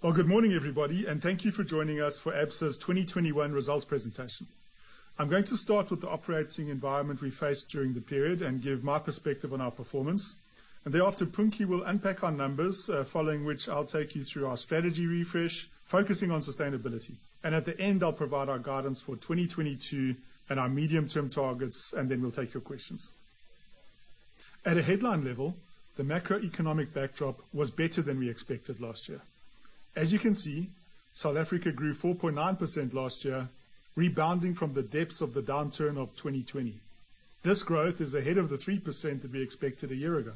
Well, good morning, everybody, and thank you for joining us for Absa's 2021 results presentation. I'm going to start with the operating environment we faced during the period and give my perspective on our performance. Thereafter, Punki will unpack our numbers, following which I'll take you through our strategy refresh, focusing on sustainability. At the end, I'll provide our guidance for 2022 and our medium-term targets, and then we'll take your questions. At a headline level, the macroeconomic backdrop was better than we expected last year. As you can see, South Africa grew 4.9% last year, rebounding from the depths of the downturn of 2020. This growth is ahead of the 3% that we expected a year ago.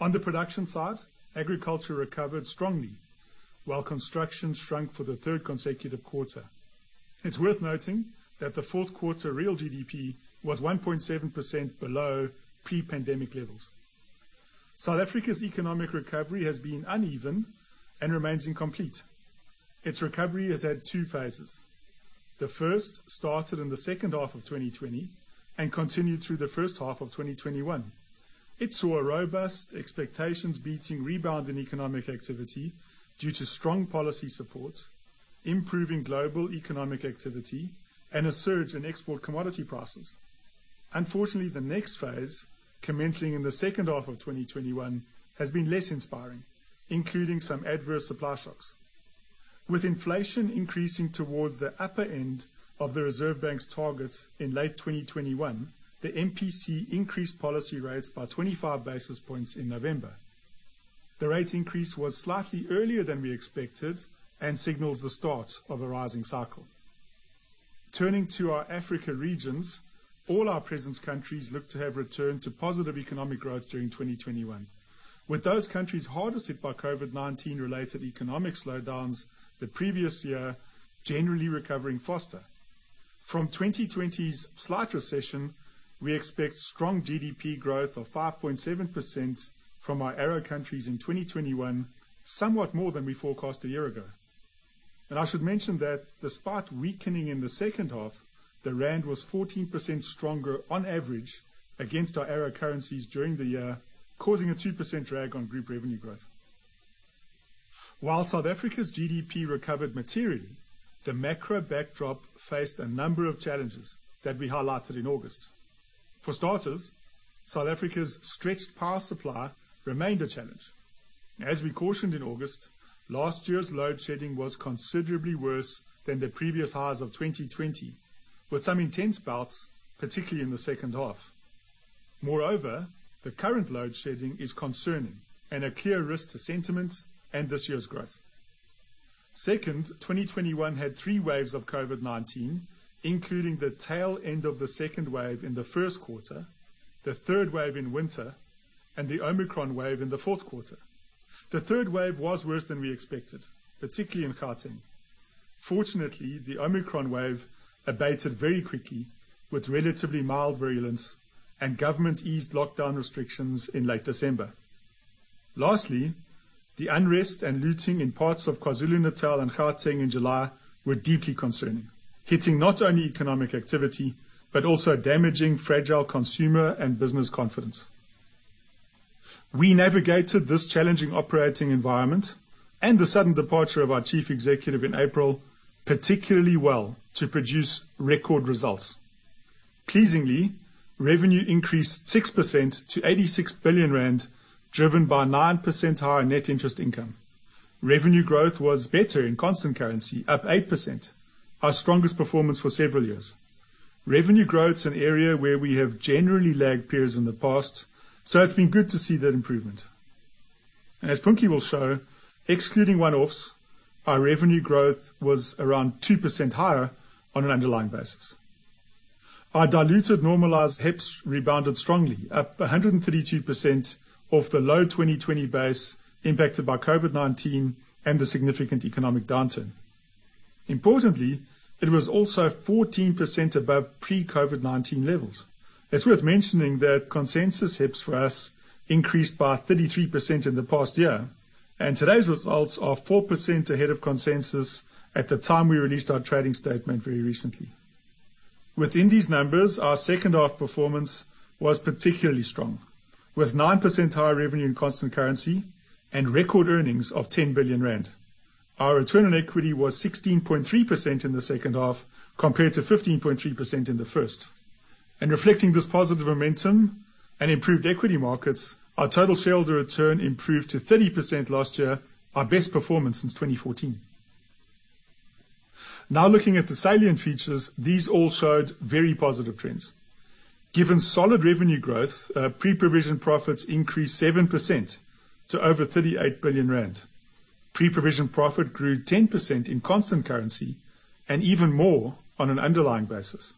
On the production side, agriculture recovered strongly while construction shrunk for the third consecutive quarter. It's worth noting that the fourth quarter real GDP was 1.7% below pre-pandemic levels. South Africa's economic recovery has been uneven and remains incomplete. Its recovery has had two phases. The first started in the second half of 2020 and continued through the first half of 2021. It saw a robust expectations beating rebound in economic activity due to strong policy support, improving global economic activity, and a surge in export commodity prices. Unfortunately, the next phase, commencing in the second half of 2021, has been less inspiring, including some adverse supply shocks. With inflation increasing towards the upper end of the Reserve Bank's targets in late 2021, the MPC increased policy rates by 25 basis points in November. The rate increase was slightly earlier than we expected and signals the start of a rising cycle. Turning to our Africa regions, all our presence countries look to have returned to positive economic growth during 2021, with those countries hardest hit by COVID-19 related economic slowdowns the previous year generally recovering faster. From 2020's slight recession, we expect strong GDP growth of 5.7% from our ARO countries in 2021, somewhat more than we forecast a year ago. I should mention that despite weakening in the second half, the rand was 14% stronger on average against our ARO currencies during the year, causing a 2% drag on group revenue growth. While South Africa's GDP recovered materially, the macro backdrop faced a number of challenges that we highlighted in August. For starters, South Africa's stretched power supply remained a challenge. As we cautioned in August, last year's load shedding was considerably worse than the previous highs of 2020, with some intense bouts, particularly in the second half. Moreover, the current load shedding is concerning and a clear risk to sentiment and this year's growth. Second, 2021 had three waves of COVID-19, including the tail end of the second wave in the first quarter, the third wave in winter, and the Omicron wave in the fourth quarter. The third wave was worse than we expected, particularly in Gauteng. Fortunately, the Omicron wave abated very quickly with relatively mild virulence, and government eased lockdown restrictions in late December. Lastly, the unrest and looting in parts of KwaZulu-Natal and Gauteng in July were deeply concerning, hitting not only economic activity, but also damaging fragile consumer and business confidence. We navigated this challenging operating environment and the sudden departure of our chief executive in April, particularly well to produce record results. Pleasingly, revenue increased 6% to 86 billion rand, driven by 9% higher net interest income. Revenue growth was better in constant currency, up 8%, our strongest performance for several years. Revenue growth is an area where we have generally lagged peers in the past, so it's been good to see that improvement. As Punki will show, excluding one-offs, our revenue growth was around 2% higher on an underlying basis. Our diluted normalized HEPS rebounded strongly, up 132% from the low 2020 base impacted by COVID-19 and the significant economic downturn. Importantly, it was also 14% above pre-COVID-19 levels. It's worth mentioning that consensus HEPS for us increased by 33% in the past year, and today's results are 4% ahead of consensus at the time we released our trading statement very recently. Within these numbers, our second half performance was particularly strong, with 9% higher revenue in constant currency and record earnings of 10 billion rand. Our return on equity was 16.3% in the second half compared to 15.3% in the first. Reflecting this positive momentum and improved equity markets, our total shareholder return improved to 30% last year, our best performance since 2014. Now looking at the salient features, these all showed very positive trends. Given solid revenue growth, pre-provision profits increased 7% to over 38 billion rand. Pre-provision profit grew 10% in constant currency and even more on an underlying basis.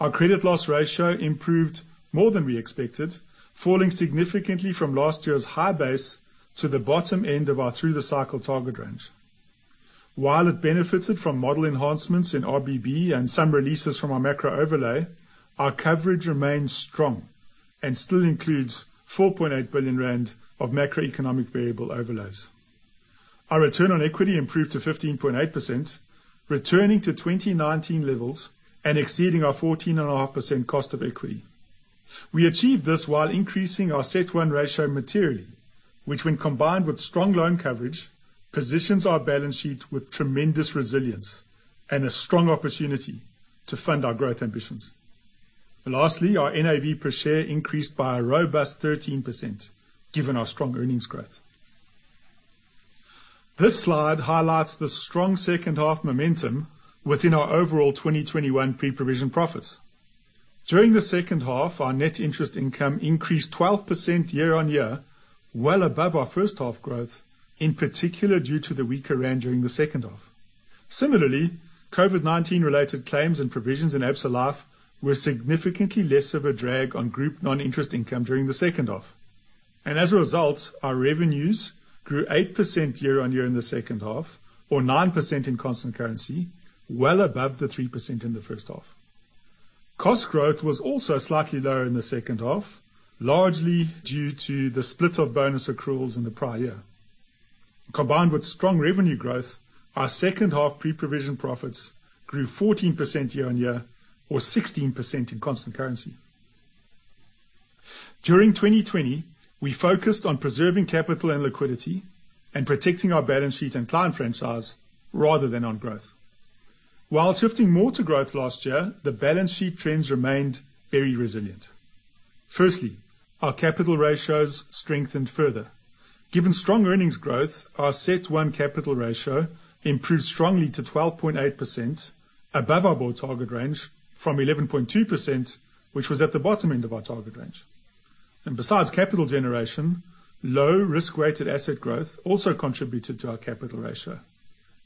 Our credit loss ratio improved more than we expected, falling significantly from last year's high base to the bottom end of our through the cycle target range. While it benefited from model enhancements in RBB and some releases from our macro overlay, our coverage remains strong and still includes 4.8 billion rand of macroeconomic variable overlays. Our return on equity improved to 15.8%, returning to 2019 levels and exceeding our 14.5% cost of equity. We achieved this while increasing our CET1 ratio materially, which when combined with strong loan coverage, positions our balance sheet with tremendous resilience and a strong opportunity to fund our growth ambitions. Lastly, our NAV per share increased by a robust 13% given our strong earnings growth. This slide highlights the strong second half momentum within our overall 2021 pre-provision profits. During the second half, our net interest income increased 12% year-over-year, well above our first half growth, in particular due to the weaker rand during the second half. Similarly, COVID-19 related claims and provisions in Absa Life were significantly less of a drag on group non-interest income during the second half. As a result, our revenues grew 8% year-over-year in the second half, or 9% in constant currency, well above the 3% in the first half. Cost growth was also slightly lower in the second half, largely due to the split of bonus accruals in the prior year. Combined with strong revenue growth, our second half pre-provision profits grew 14% year-over-year or 16% in constant currency. During 2020, we focused on preserving capital and liquidity and protecting our balance sheet and client franchise rather than on growth. While shifting more to growth last year, the balance sheet trends remained very resilient. Firstly, our capital ratios strengthened further. Given strong earnings growth, our CET1 capital ratio improved strongly to 12.8% above our board target range from 11.2%, which was at the bottom end of our target range. Besides capital generation, low risk-weighted asset growth also contributed to our capital ratio.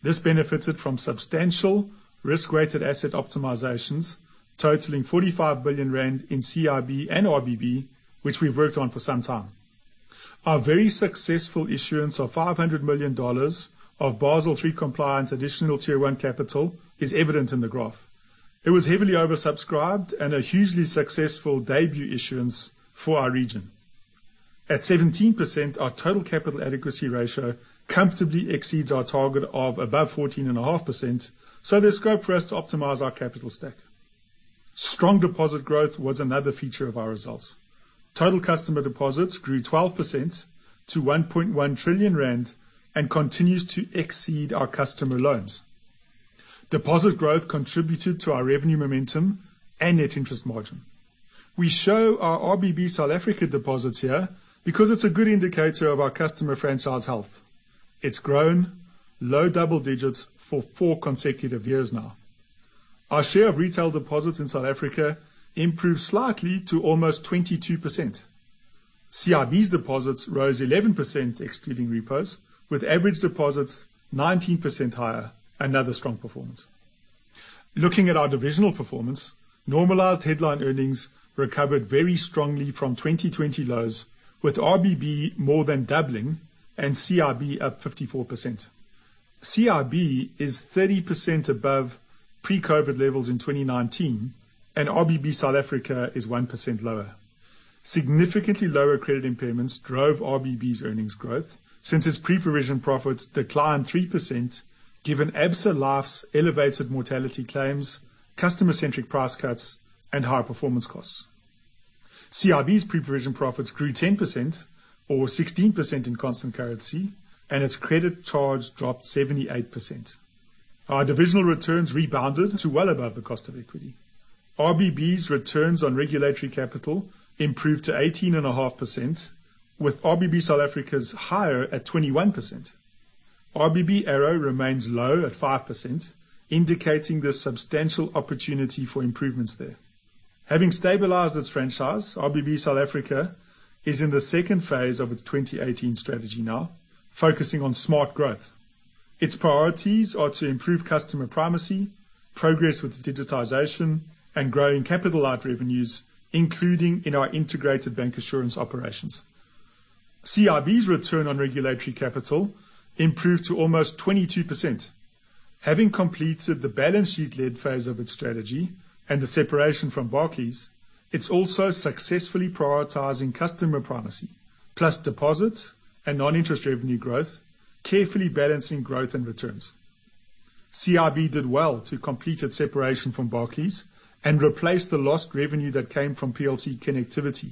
This benefited from substantial risk-weighted asset optimizations totaling 45 billion rand in CIB and RBB, which we've worked on for some time. Our very successful issuance of $500 million of Basel III compliance additional tier one capital is evident in the graph. It was heavily oversubscribed and a hugely successful debut issuance for our region. At 17%, our total capital adequacy ratio comfortably exceeds our target of above 14.5%, so there's scope for us to optimize our capital stack. Strong deposit growth was another feature of our results. Total customer deposits grew 12% to 1.1 trillion rand and continues to exceed our customer loans. Deposit growth contributed to our revenue momentum and net interest margin. We show our RBB South Africa deposits here because it's a good indicator of our customer franchise health. It's grown low double digits for four consecutive years now. Our share of retail deposits in South Africa improved slightly to almost 22%. CIB's deposits rose 11% excluding repos, with average deposits 19% higher. Another strong performance. Looking at our divisional performance, normalized headline earnings recovered very strongly from 2020 lows, with RBB more than doubling and CIB up 54%. CIB is 30% above pre-COVID levels in 2019, and RBB South Africa is 1% lower. Significantly lower credit impairments drove RBB's earnings growth since its pre-provision profits declined 3%, given Absa Life's elevated mortality claims, customer-centric price cuts and higher performance costs. CIB's pre-provision profits grew 10% or 16% in constant currency and its credit charge dropped 78%. Our divisional returns rebounded to well above the cost of equity. RBB's returns on regulatory capital improved to 18.5%, with RBB South Africa's higher at 21%. RBB ARO remains low at 5%, indicating there's substantial opportunity for improvements there. Having stabilized its franchise, RBB South Africa is in the second phase of its 2018 strategy now, focusing on smart growth. Its priorities are to improve customer primacy, progress with digitization, and growing capital light revenues, including in our integrated bank assurance operations. CIB's return on regulatory capital improved to almost 22%. Having completed the balance sheet-led phase of its strategy and the separation from Barclays, it's also successfully prioritizing customer primacy plus deposits and non-interest revenue growth, carefully balancing growth and returns. CIB did well to complete its separation from Barclays and replace the lost revenue that came from PLC connectivity,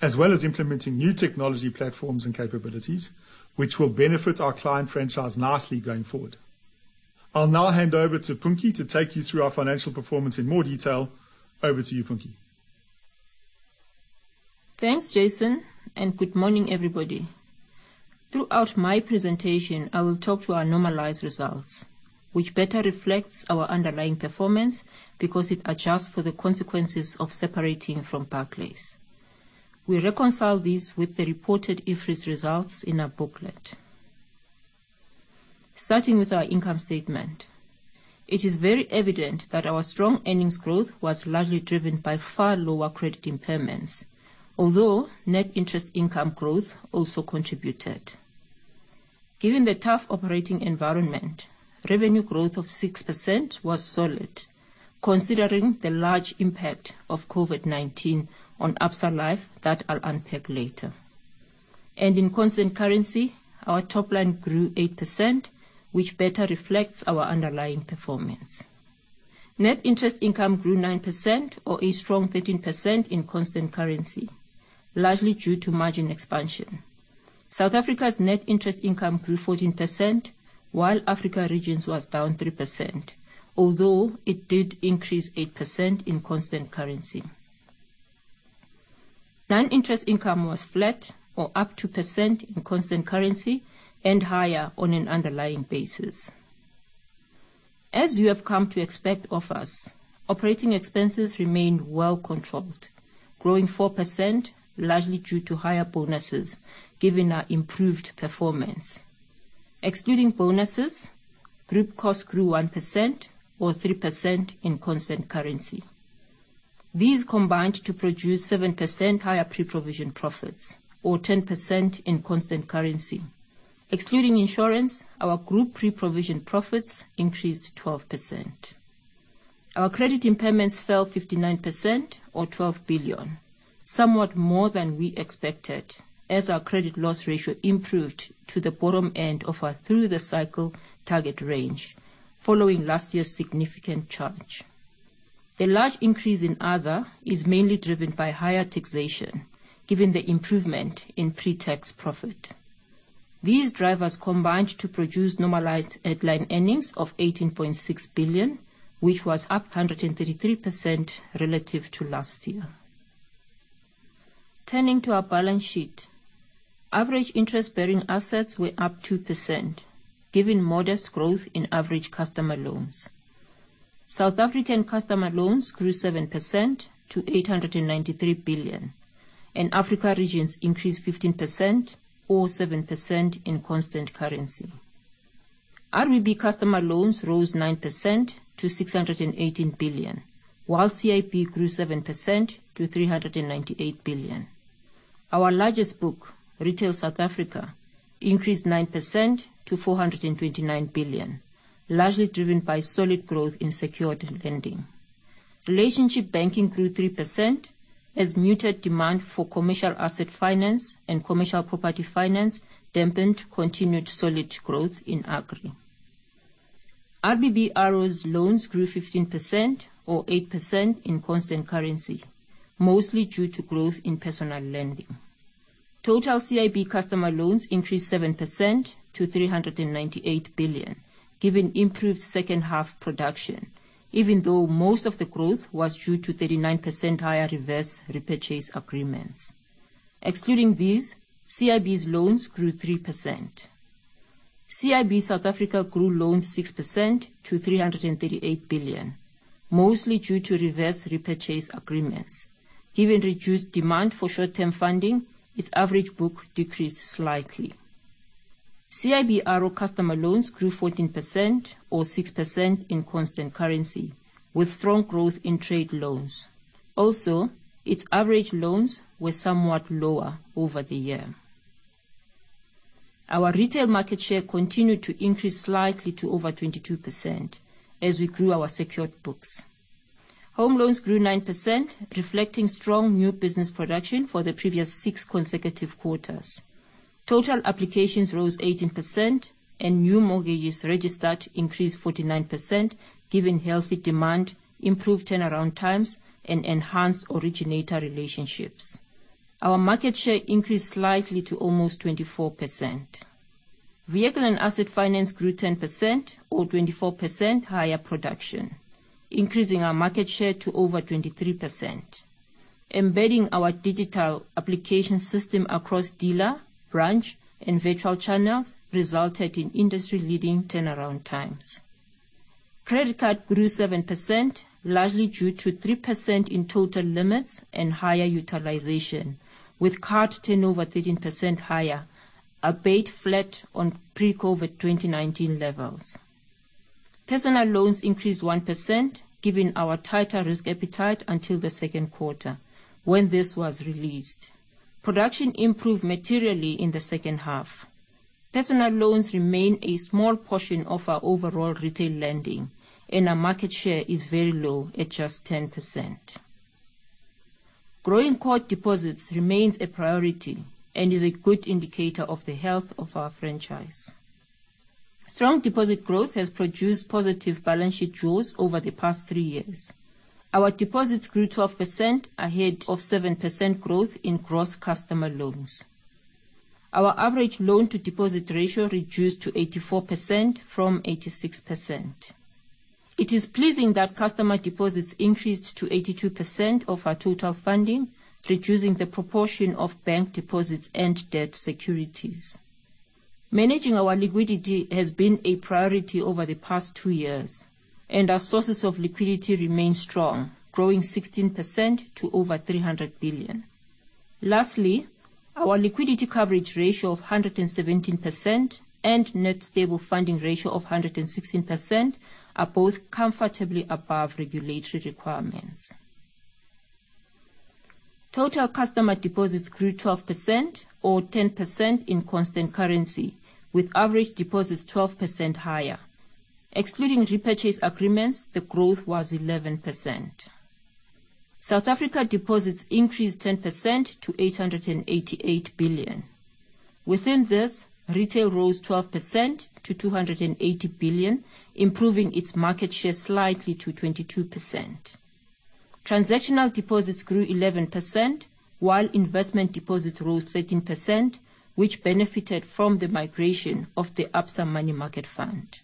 as well as implementing new technology platforms and capabilities which will benefit our client franchise nicely going forward. I'll now hand over to Punki to take you through our financial performance in more detail. Over to you, Punki. Thanks, Jason, and good morning, everybody. Throughout my presentation, I will talk to our normalized results, which better reflects our underlying performance because it adjusts for the consequences of separating from Barclays. We reconcile these with the reported IFRS results in our booklet. Starting with our income statement. It is very evident that our strong earnings growth was largely driven by far lower credit impairments. Although net interest income growth also contributed. Given the tough operating environment, revenue growth of 6% was solid considering the large impact of COVID-19 on Absa Life that I'll unpack later. In constant currency, our top line grew 8%, which better reflects our underlying performance. Net interest income grew 9% or a strong 13% in constant currency, largely due to margin expansion. South Africa's net interest income grew 14%, while Africa Regions was down 3%, although it did increase 8% in constant currency. Non-interest income was flat or up 2% in constant currency and higher on an underlying basis. As you have come to expect of us, operating expenses remained well controlled, growing 4% largely due to higher bonuses given our improved performance. Excluding bonuses, group costs grew 1% or 3% in constant currency. These combined to produce 7% higher pre-provision profits or 10% in constant currency. Excluding insurance, our group pre-provision profits increased 12%. Our credit impairments fell 59% or 12 billion, somewhat more than we expected as our credit loss ratio improved to the bottom end of our through the cycle target range following last year's significant charge. The large increase in other is mainly driven by higher taxation given the improvement in pre-tax profit. These drivers combined to produce normalized headline earnings of 18.6 billion, which was up 133% relative to last year. Turning to our balance sheet. Average interest-bearing assets were up 2% given modest growth in average customer loans. South African customer loans grew 7% to 893 billion, and Africa Regions increased 15% or 7% in constant currency. RBB customer loans rose 9% to 618 billion, while CIB grew 7% to 398 billion. Our largest book, Retail South Africa, increased 9% to 429 billion, largely driven by solid growth in secured lending. Relationship banking grew 3% as muted demand for commercial asset finance and commercial property finance dampened continued solid growth in agri. RBB ARO's loans grew 15% or 8% in constant currency, mostly due to growth in personal lending. Total CIB customer loans increased 7% to 398 billion, given improved second half production, even though most of the growth was due to 39% higher reverse repurchase agreements. Excluding these, CIB's loans grew 3%. CIB South Africa grew loans 6% to 338 billion, mostly due to reverse repurchase agreements. Given reduced demand for short-term funding, its average book decreased slightly. CIB ARO customer loans grew 14% or 6% in constant currency, with strong growth in trade loans. Also, its average loans were somewhat lower over the year. Our retail market share continued to increase slightly to over 22% as we grew our secured books. Home loans grew 9%, reflecting strong new business production for the previous 6 consecutive quarters. Total applications rose 18% and new mortgages registered increased 49% given healthy demand, improved turnaround times, and enhanced originator relationships. Our market share increased slightly to almost 24%. Vehicle and asset finance grew 10% or 24% higher production, increasing our market share to over 23%. Embedding our digital application system across dealer, branch, and virtual channels resulted in industry-leading turnaround times. Credit card grew 7%, largely due to 3% in total limits and higher utilization, with card turnover 13% higher, albeit flat on pre-COVID 2019 levels. Personal loans increased 1% given our tighter risk appetite until the second quarter when this was released. Production improved materially in the second half. Personal loans remain a small portion of our overall retail lending, and our market share is very low at just 10%. Growing core deposits remains a priority and is a good indicator of the health of our franchise. Strong deposit growth has produced positive balance sheet draws over the past three years. Our deposits grew 12% ahead of 7% growth in gross customer loans. Our average loan to deposit ratio reduced to 84% from 86%. It is pleasing that customer deposits increased to 82% of our total funding, reducing the proportion of bank deposits and debt securities. Managing our liquidity has been a priority over the past two years, and our sources of liquidity remain strong, growing 16% to over 300 billion. Lastly, our liquidity coverage ratio of 117% and net stable funding ratio of 116% are both comfortably above regulatory requirements. Total customer deposits grew 12% or 10% in constant currency, with average deposits 12% higher. Excluding repurchase agreements, the growth was 11%. South Africa deposits increased 10% to 888 billion. Within this, retail rose 12% to 280 billion, improving its market share slightly to 22%. Transactional deposits grew 11%, while investment deposits rose 13%, which benefited from the migration of the ABSA Money Market Fund.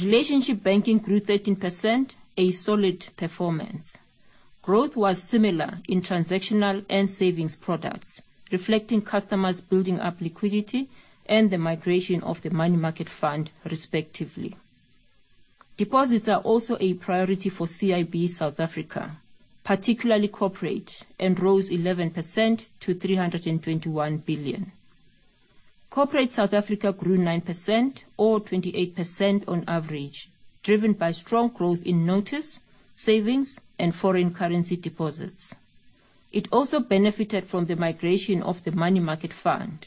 Relationship banking grew 13%, a solid performance. Growth was similar in transactional and savings products, reflecting customers building up liquidity and the migration of the Money Market Fund, respectively. Deposits are also a priority for CIB South Africa, particularly corporate, and rose 11% to 321 billion. Corporate South Africa grew 9% or 28% on average, driven by strong growth in notice, savings, and foreign currency deposits. It also benefited from the migration of the Money Market Fund.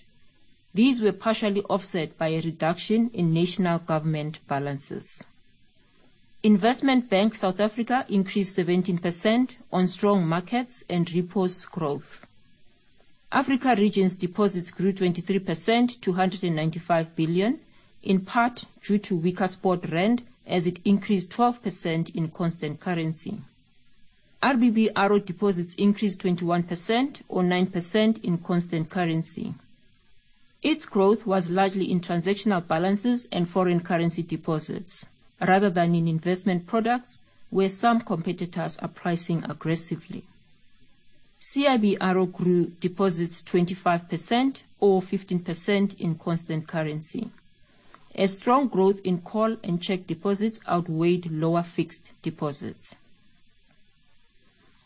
These were partially offset by a reduction in national government balances. Investment bank South Africa increased 17% on strong markets and repos growth. Africa Regions deposits grew 23% to 195 billion, in part due to weaker spot rand as it increased 12% in constant currency. RBB ARO deposits increased 21% or 9% in constant currency. Its growth was largely in transactional balances and foreign currency deposits rather than in investment products, where some competitors are pricing aggressively. CIB ARO grew deposits 25% or 15% in constant currency. A strong growth in call and check deposits outweighed lower fixed deposits.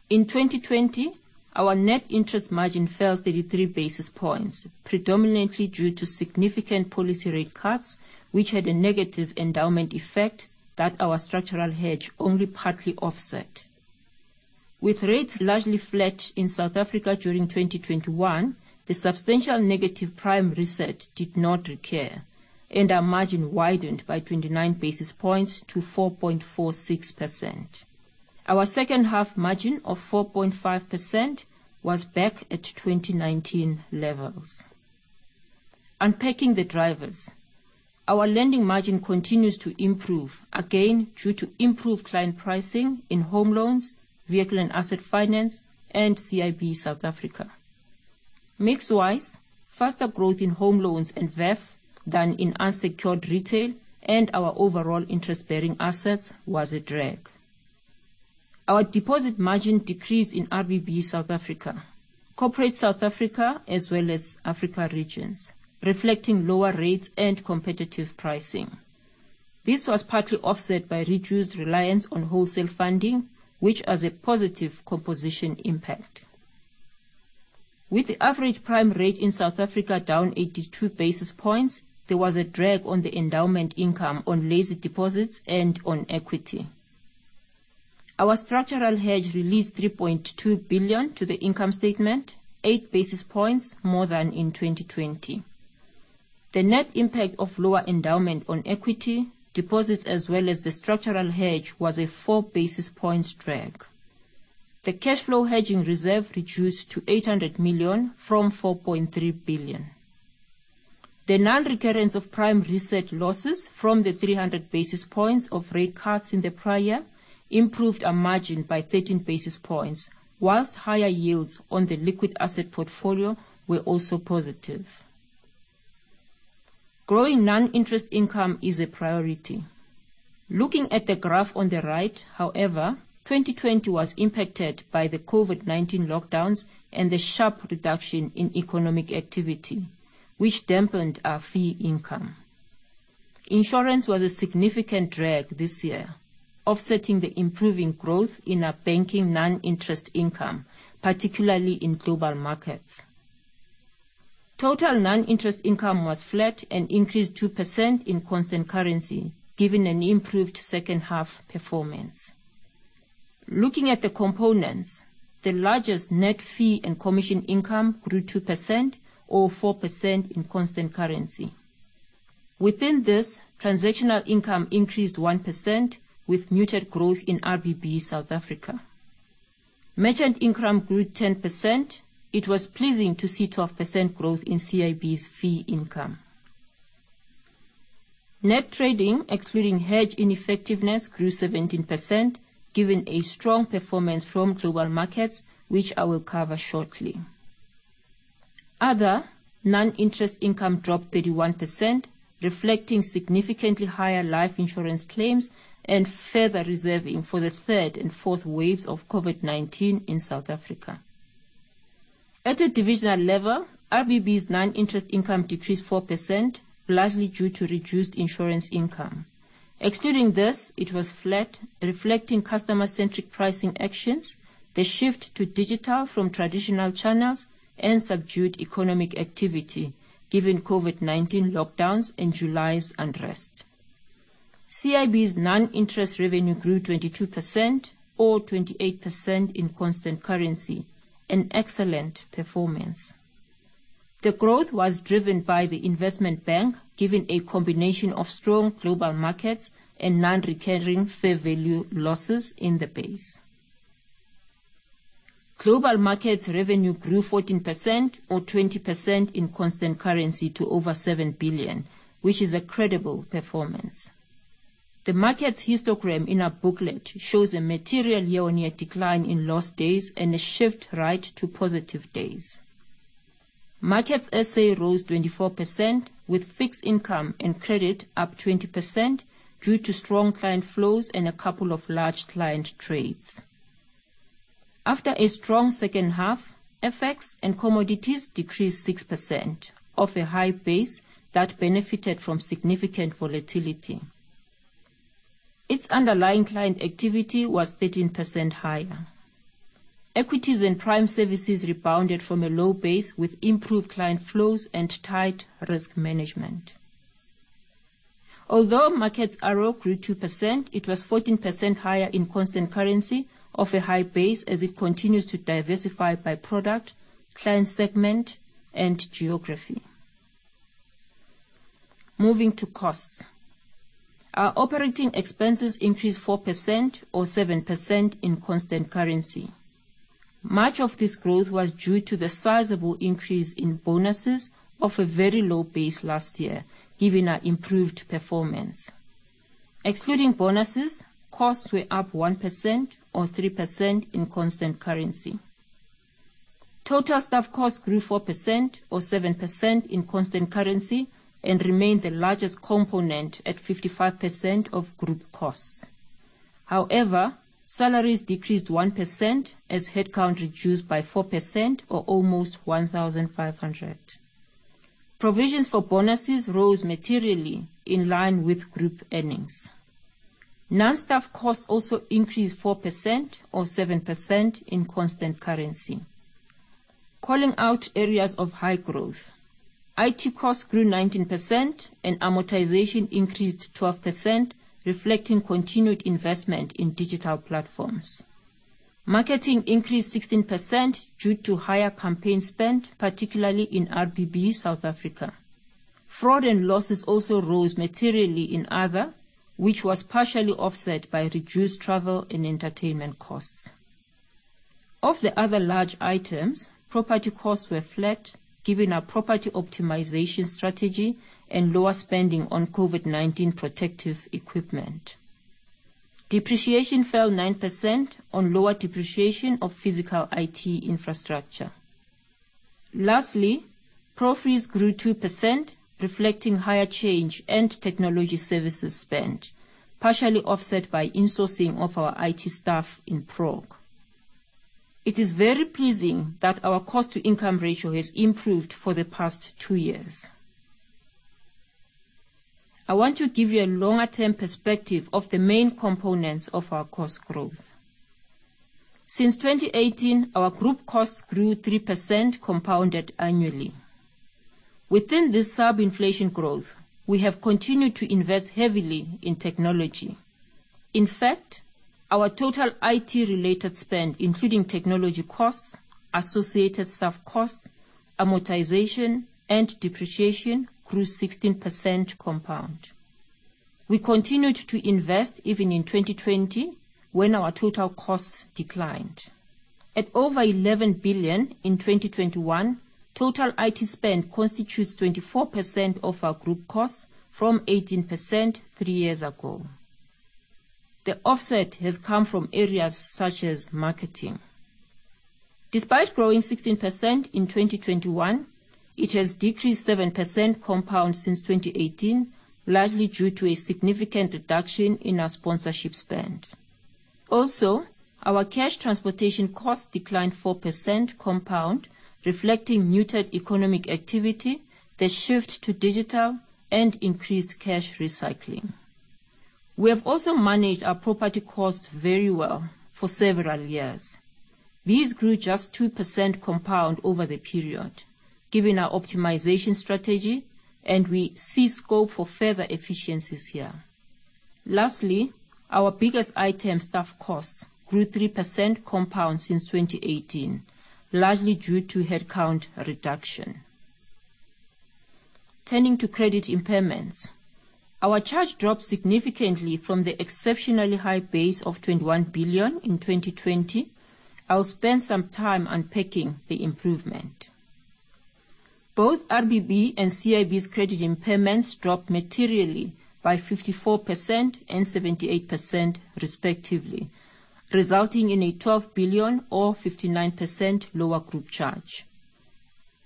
In 2020, our net interest margin fell 33 basis points, predominantly due to significant policy rate cuts, which had a negative endowment effect that our structural hedge only partly offset. With rates largely flat in South Africa during 2021, the substantial negative prime reset did not recur, and our margin widened by 29 basis points to 4.46%. Our second half margin of 4.5% was back at 2019 levels. Unpacking the drivers, our lending margin continues to improve, again due to improved client pricing in home loans, vehicle and asset finance, and CIB South Africa. Mix-wise, faster growth in home loans and VAF than in unsecured retail and our overall interest-bearing assets was a drag. Our deposit margin decreased in RBB South Africa, Corporate South Africa, as well as Africa Regions, reflecting lower rates and competitive pricing. This was partly offset by reduced reliance on wholesale funding, which has a positive composition impact. With the average prime rate in South Africa down 82 basis points, there was a drag on the endowment income on lazy deposits and on equity. Our structural hedge released 3.2 billion to the income statement, 8 basis points more than in 2020. The net impact of lower endowment on equity deposits, as well as the structural hedge, was a 4 basis points drag. The cash flow hedging reserve reduced to 800 million from 4.3 billion. The nonrecurrence of prime reset losses from the 300 basis points of rate cuts in the prior improved our margin by 13 basis points, while higher yields on the liquid asset portfolio were also positive. Growing non-interest income is a priority. Looking at the graph on the right, however, 2020 was impacted by the COVID-19 lockdowns and the sharp reduction in economic activity, which dampened our fee income. Insurance was a significant drag this year, offsetting the improving growth in our banking non-interest income, particularly in global markets. Total non-interest income was flat and increased 2% in constant currency, given an improved second half performance. Looking at the components, the largest net fee and commission income grew 2% or 4% in constant currency. Within this, transactional income increased 1% with muted growth in RBB South Africa. Merchant income grew 10%. It was pleasing to see 12% growth in CIB's fee income. Net trading, excluding hedge ineffectiveness, grew 17%, given a strong performance from global markets, which I will cover shortly. Other non-interest income dropped 31%, reflecting significantly higher life insurance claims and further reserving for the third and fourth waves of COVID-19 in South Africa. At a divisional level, RBB's non-interest income decreased 4%, largely due to reduced insurance income. Excluding this, it was flat, reflecting customer-centric pricing actions, the shift to digital from traditional channels, and subdued economic activity given COVID-19 lockdowns and July's unrest. CIB's non-interest revenue grew 22% or 28% in constant currency, an excellent performance. The growth was driven by the investment bank, given a combination of strong global markets and non-recurring fair value losses in the base. Global markets revenue grew 14% or 20% in constant currency to over 7 billion, which is a credible performance. The markets histogram in our booklet shows a material year-on-year decline in lost days and a shift right to positive days. Markets SA rose 24% with fixed income and credit up 20% due to strong client flows and a couple of large client trades. After a strong second half, FX and commodities decreased 6% off a high base that benefited from significant volatility. Its underlying client activity was 13% higher. Equities and prime services rebounded from a low base with improved client flows and tight risk management. Although Markets ARO grew 2%, it was 14% higher in constant currency off a high base as it continues to diversify by product, client segment, and geography. Moving to costs. Our operating expenses increased 4% or 7% in constant currency. Much of this growth was due to the sizable increase in bonuses off a very low base last year, given our improved performance. Excluding bonuses, costs were up 1% or 3% in constant currency. Total staff costs grew 4% or 7% in constant currency and remained the largest component at 55% of group costs. However, salaries decreased 1% as headcount reduced by 4% or almost 1,500. Provisions for bonuses rose materially in line with group earnings. Non-staff costs also increased 4% or 7% in constant currency. Calling out areas of high growth. IT costs grew 19% and amortization increased 12%, reflecting continued investment in digital platforms. Marketing increased 16% due to higher campaign spend, particularly in RBB South Africa. Fraud and losses also rose materially in other, which was partially offset by reduced travel and entertainment costs. Of the other large items, property costs were flat, given our property optimization strategy and lower spending on COVID-19 protective equipment. Depreciation fell 9% on lower depreciation of physical IT infrastructure. Lastly, professional fees grew 2%, reflecting higher change and technology services spend, partially offset by insourcing of our IT staff in prog. It is very pleasing that our cost-to-income ratio has improved for the past two years. I want to give you a longer term perspective of the main components of our cost growth. Since 2018, our group costs grew 3% compounded annually. Within this sub-inflation growth, we have continued to invest heavily in technology. In fact, our total IT related spend, including technology costs, associated staff costs, amortization, and depreciation grew 16% compound. We continued to invest even in 2020 when our total costs declined. At over 11 billion in 2021, total IT spend constitutes 24% of our group costs from 18% three years ago. The offset has come from areas such as marketing. Despite growing 16% in 2021, it has decreased 7% compound since 2018, largely due to a significant reduction in our sponsorship spend. Also, our cash transportation costs declined 4% compound, reflecting muted economic activity, the shift to digital, and increased cash recycling. We have also managed our property costs very well for several years. These grew just 2% compound over the period, given our optimization strategy, and we see scope for further efficiencies here. Lastly, our biggest item, staff costs, grew 3% compound since 2018, largely due to headcount reduction. Turning to credit impairments. Our charge dropped significantly from the exceptionally high base of 21 billion in 2020. I'll spend some time unpacking the improvement. Both RBB and CIB's credit impairments dropped materially by 54% and 78% respectively, resulting in a 12 billion or 59% lower group charge.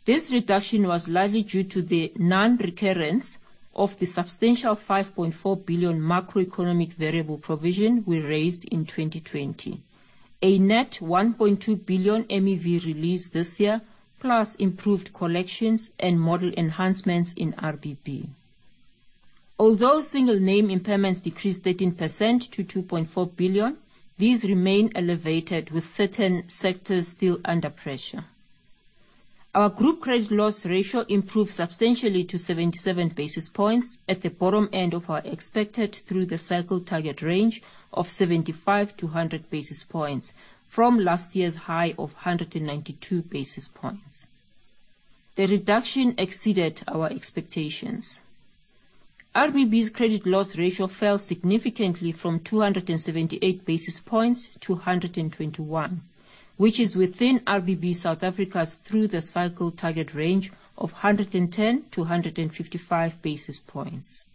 This reduction was largely due to the non-recurrence of the substantial 5.4 billion macroeconomic variable provision we raised in 2020. A net 1.2 billion MEV release this year, plus improved collections and model enhancements in RBB. Although single name impairments decreased 13% to 2.4 billion, these remain elevated with certain sectors still under pressure. Our group credit loss ratio improved substantially to 77 basis points at the bottom end of our expected through the cycle target range of 75-100 basis points from last year's high of 192 basis points. The reduction exceeded our expectations. RBB's credit loss ratio fell significantly from 278 basis points to 121, which is within RBB South Africa's through the cycle target range of 110-155 basis points.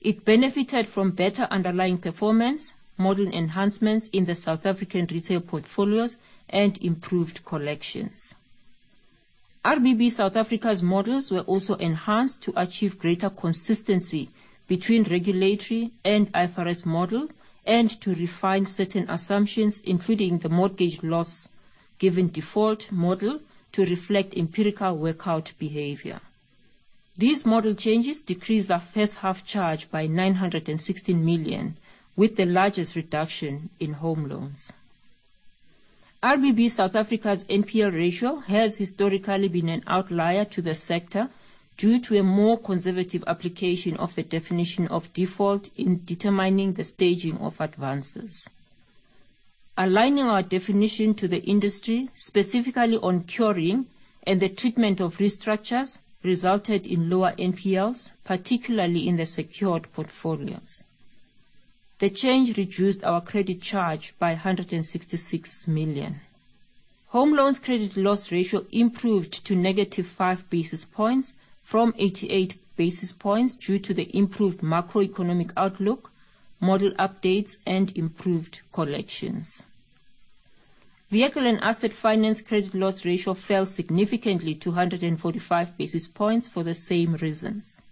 It benefited from better underlying performance, model enhancements in the South African retail portfolios, and improved collections. RBB South Africa's models were also enhanced to achieve greater consistency between regulatory and IFRS model and to refine certain assumptions, including the mortgage loss given default model to reflect empirical workout behavior. These model changes decreased our first half charge by 916 million, with the largest reduction in home loans. RBB South Africa's NPL ratio has historically been an outlier to the sector due to a more conservative application of the definition of default in determining the staging of advances. Aligning our definition to the industry, specifically on curing and the treatment of restructures, resulted in lower NPLs, particularly in the secured portfolios. The change reduced our credit charge by 166 million. Home Loans credit loss ratio improved to negative 5 basis points from 88 basis points due to the improved macroeconomic outlook, model updates, and improved collections. Vehicle and Asset Finance credit loss ratio fell significantly to 145 basis points for the same reasons.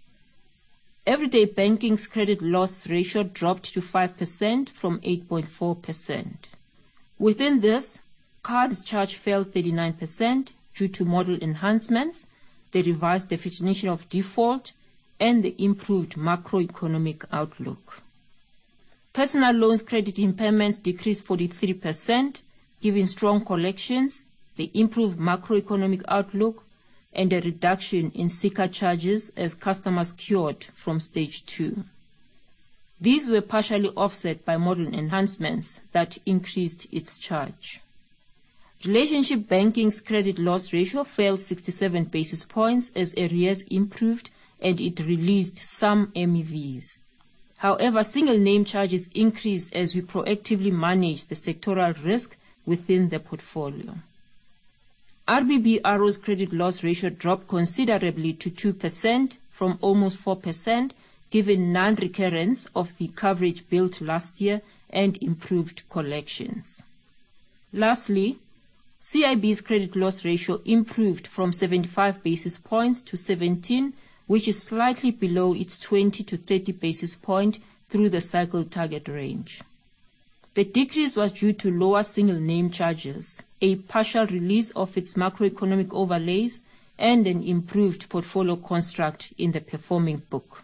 Everyday Banking's credit loss ratio dropped to 5% from 8.4%. Within this, cards charge fell 39% due to model enhancements, the revised definition of default, and the improved macroeconomic outlook. Personal loans credit impairments decreased 43% given strong collections, the improved macroeconomic outlook, and a reduction in SICR charges as customers cured from stage two. These were partially offset by model enhancements that increased its charge. Relationship banking's credit loss ratio fell 67 basis points as arrears improved and it released some MEVs. However, single name charges increased as we proactively managed the sectoral risk within the portfolio. RBB ARO's credit loss ratio dropped considerably to 2% from almost 4% given non-recurrence of the coverage built last year and improved collections. Lastly, CIB's credit loss ratio improved from 75 basis points to 17, which is slightly below its 20-30 basis point through the cycle target range. The decrease was due to lower single name charges, a partial release of its macroeconomic overlays, and an improved portfolio construct in the performing book.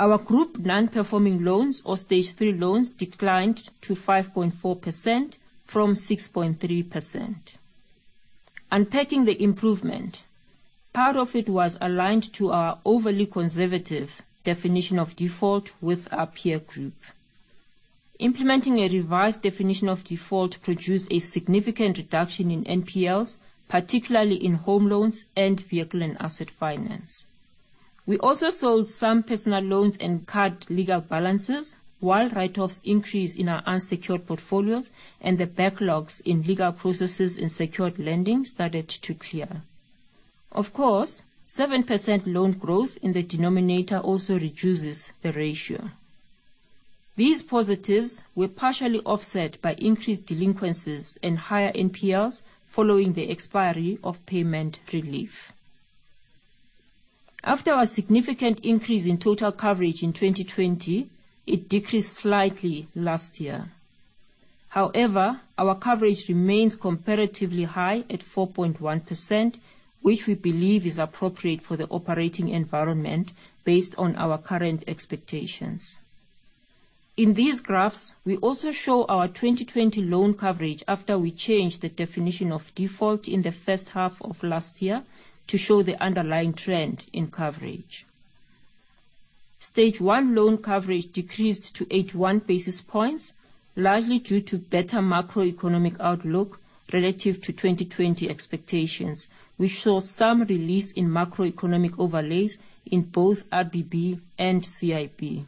Our group non-performing loans, or stage three loans, declined to 5.4% from 6.3%. Unpacking the improvement, part of it was aligned to our overly conservative definition of default with our peer group. Implementing a revised definition of default produced a significant reduction in NPLs, particularly in home loans and vehicle and asset finance. We also sold some personal loans and cut legal balances while write-offs increased in our unsecured portfolios and the backlogs in legal processes in secured lending started to clear. Of course, 7% loan growth in the denominator also reduces the ratio. These positives were partially offset by increased delinquencies and higher NPLs following the expiry of payment relief. After our significant increase in total coverage in 2020, it decreased slightly last year. However, our coverage remains comparatively high at 4.1%, which we believe is appropriate for the operating environment based on our current expectations. In these graphs, we also show our 2020 loan coverage after we changed the definition of default in the first half of last year to show the underlying trend in coverage. Stage 1 loan coverage decreased to 81 basis points, largely due to better macroeconomic outlook relative to 2020 expectations, which saw some release in macroeconomic overlays in both RBB and CIB.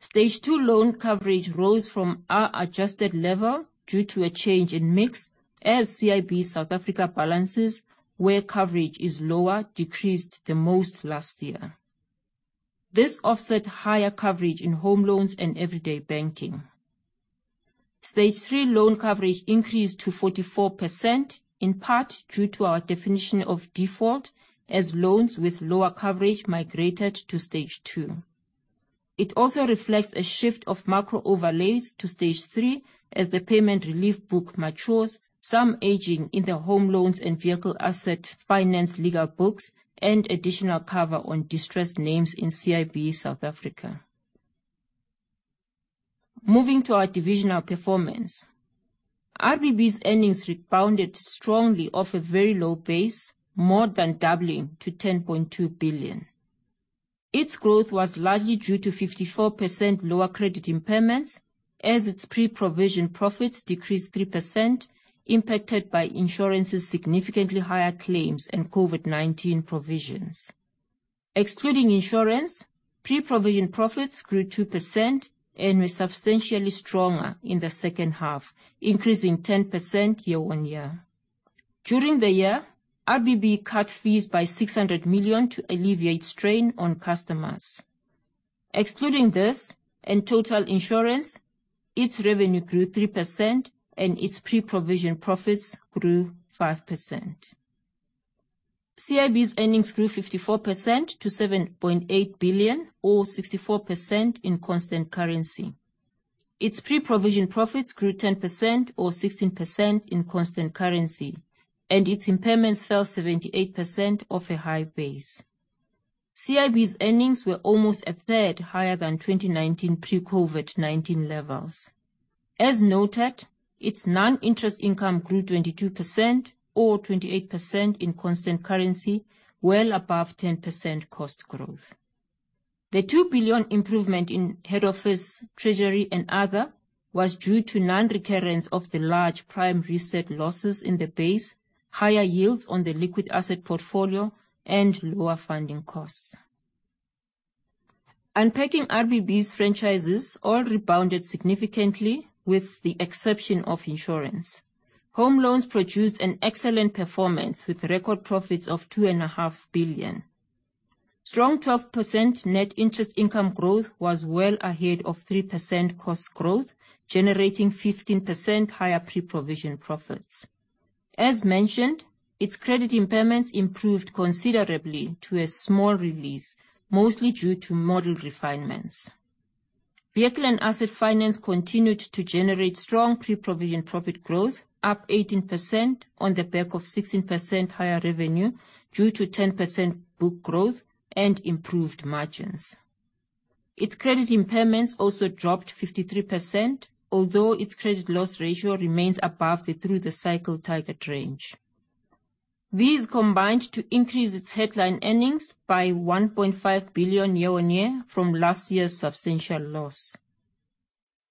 Stage 2 loan coverage rose from our adjusted level due to a change in mix as CIB South Africa balances, where coverage is lower, decreased the most last year. This offset higher coverage in home loans and everyday banking. Stage 3 loan coverage increased to 44%, in part due to our definition of default, as loans with lower coverage migrated to stage 2. It also reflects a shift of macro overlays to stage three as the payment relief book matures, some aging in the home loans and vehicle asset finance legal books, and additional cover on distressed names in CIB South Africa. Moving to our divisional performance. RBB's earnings rebounded strongly off a very low base, more than doubling to 10.2 billion. Its growth was largely due to 54% lower credit impairments as its pre-provision profits decreased 3% impacted by insurance's significantly higher claims and COVID-19 provisions. Excluding insurance, pre-provision profits grew 2% and were substantially stronger in the second half, increasing 10% year-on-year. During the year, RBB cut fees by 600 million to alleviate strain on customers. Excluding this and total insurance, its revenue grew 3%, and its pre-provision profits grew 5%. CIB's earnings grew 54% to 7.8 billion or 64% in constant currency. Its pre-provision profits grew 10% or 16% in constant currency, and its impairments fell 78% off a high base. CIB's earnings were almost a third higher than 2019 pre-COVID-19 levels. As noted, its non-interest income grew 22% or 28% in constant currency well above 10% cost growth. The 2 billion improvement in head office, treasury, and other was due to non-recurrence of the large prime reset losses in the base, higher yields on the liquid asset portfolio, and lower funding costs. Unpacking RBB's franchises all rebounded significantly, with the exception of insurance. Home loans produced an excellent performance with record profits of 2.5 billion. Strong 12% net interest income growth was well ahead of 3% cost growth, generating 15% higher pre-provision profits. As mentioned, its credit impairments improved considerably to a small release, mostly due to model refinements. Vehicle and Asset Finance continued to generate strong pre-provision profit growth, up 18% on the back of 16% higher revenue due to 10% book growth and improved margins. Its credit impairments also dropped 53%, although its credit loss ratio remains above the through-the-cycle target range. These combined to increase its headline earnings by 1.5 billion year-on-year from last year's substantial loss.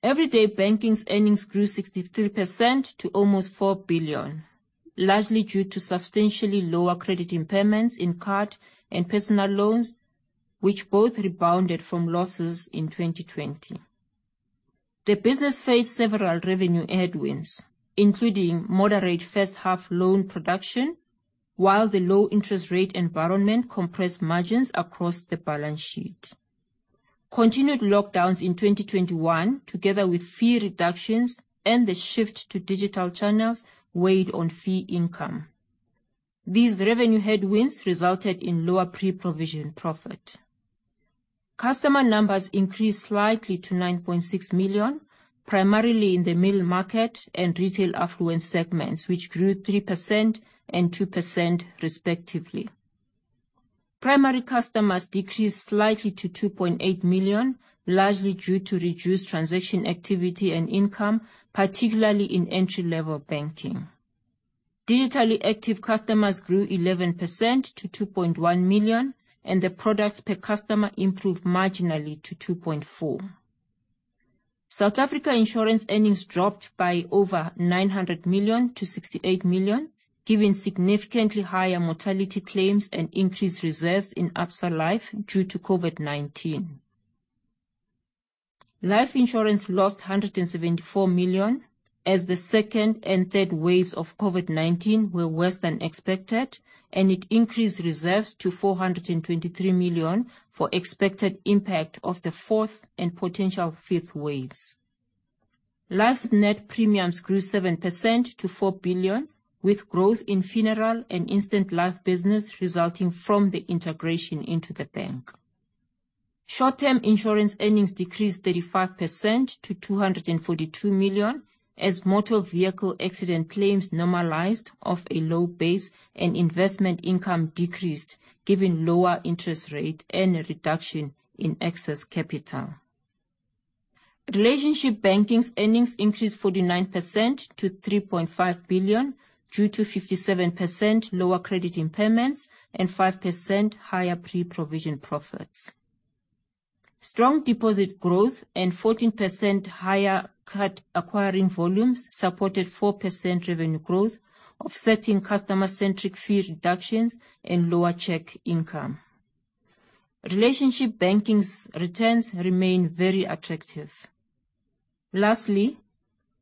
Everyday Banking's earnings grew 63% to almost 4 billion, largely due to substantially lower credit impairments in card and personal loans, which both rebounded from losses in 2020. The business faced several revenue headwinds, including moderate first half loan production, while the low interest rate environment compressed margins across the balance sheet. Continued lockdowns in 2021, together with fee reductions and the shift to digital channels, weighed on fee income. These revenue headwinds resulted in lower pre-provision profit. Customer numbers increased slightly to 9.6 million, primarily in the middle market and retail affluent segments, which grew 3% and 2% respectively. Primary customers decreased slightly to 2.8 million, largely due to reduced transaction activity and income, particularly in entry-level banking. Digitally active customers grew 11% to 2.1 million, and the products per customer improved marginally to 2.4. South Africa Insurance earnings dropped by over 900 to 68 million, given significantly higher mortality claims and increased reserves in Absa Life due to COVID-19. Life insurance lost 174 million as the second and third waves of COVID-19 were worse than expected, and it increased reserves to 423 million for expected impact of the fourth and potential fifth waves. Life's net premiums grew 7% to 4 billion, with growth in funeral and instant life business resulting from the integration into the bank. Short-term insurance earnings decreased 35% to 242 million as motor vehicle accident claims normalized off a low base and investment income decreased, given lower interest rate and a reduction in excess capital. Relationship Banking's earnings increased 49% to 3.5 billion due to 57% lower credit impairments and 5% higher pre-provision profits. Strong deposit growth and 14% higher card acquiring volumes supported 4% revenue growth, offsetting customer-centric fee reductions and lower check income. Relationship Banking's returns remain very attractive. Lastly,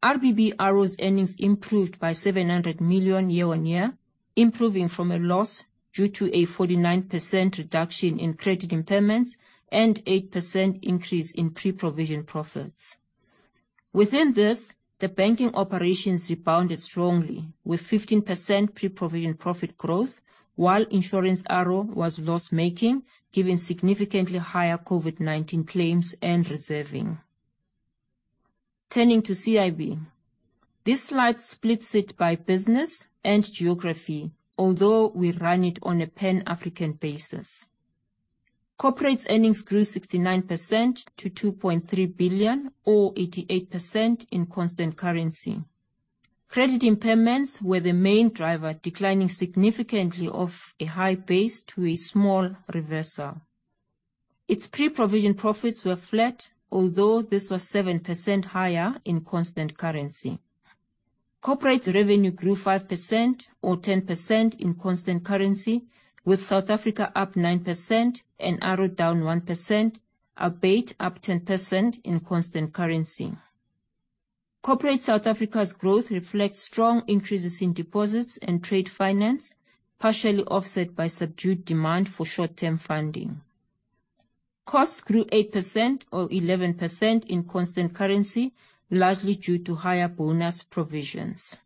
RBB ARO's earnings improved by 700 million year-on-year, improving from a loss due to a 49% reduction in credit impairments and 8% increase in pre-provision profits. Within this, the banking operations rebounded strongly with 15% pre-provision profit growth while Insurance ARO was loss-making given significantly higher COVID-19 claims and reserving. Turning to CIB. This slide splits it by business and geography, although we run it on a pan-African basis. Corporate's earnings grew 69% to 2.3 billion or 88% in constant currency. Credit impairments were the main driver, declining significantly off a high base to a small reversal. Its pre-provision profits were flat, although this was 7% higher in constant currency. Corporate revenue grew 5% or 10% in constant currency, with South Africa up 9% and ARO down 1%, Africa up 10% in constant currency. Corporate South Africa's growth reflects strong increases in deposits and trade finance, partially offset by subdued demand for short-term funding. Costs grew 8% or 11% in constant currency, largely due to higher bonus provisions.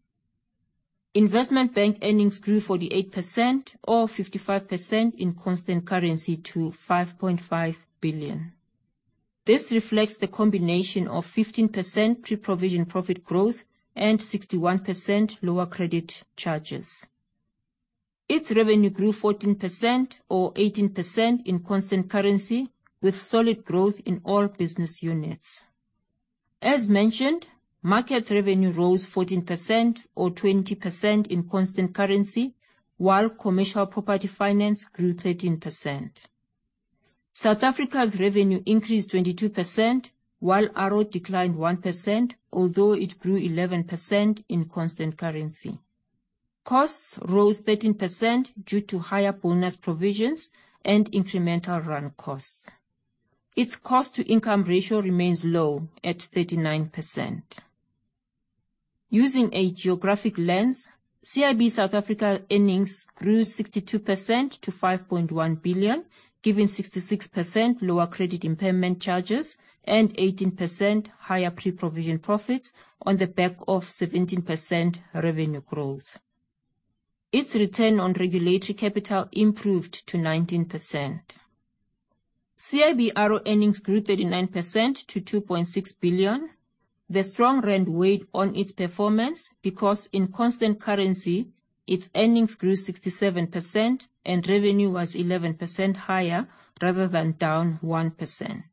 Investment bank earnings grew 48% or 55% in constant currency to 5.5 billion. This reflects the combination of 15% pre-provision profit growth and 61% lower credit charges. Its revenue grew 14% or 18% in constant currency, with solid growth in all business units. As mentioned, markets revenue rose 14% or 20% in constant currency, while commercial property finance grew 13%. South Africa's revenue increased 22%, while ARO declined 1%, although it grew 11% in constant currency. Costs rose 13% due to higher bonus provisions and incremental run costs. Its cost-to-income ratio remains low at 39%. Using a geographic lens, CIB South Africa earnings grew 62% to 5.1 billion, giving 66% lower credit impairment charges and 18% higher pre-provision profits on the back of 17% revenue growth. Its return on regulatory capital improved to 19%. CIB ARO earnings grew 39% to 2.6 billion. The strong rand weighed on its performance because in constant currency, its earnings grew 67% and revenue was 11% higher rather than down 1%.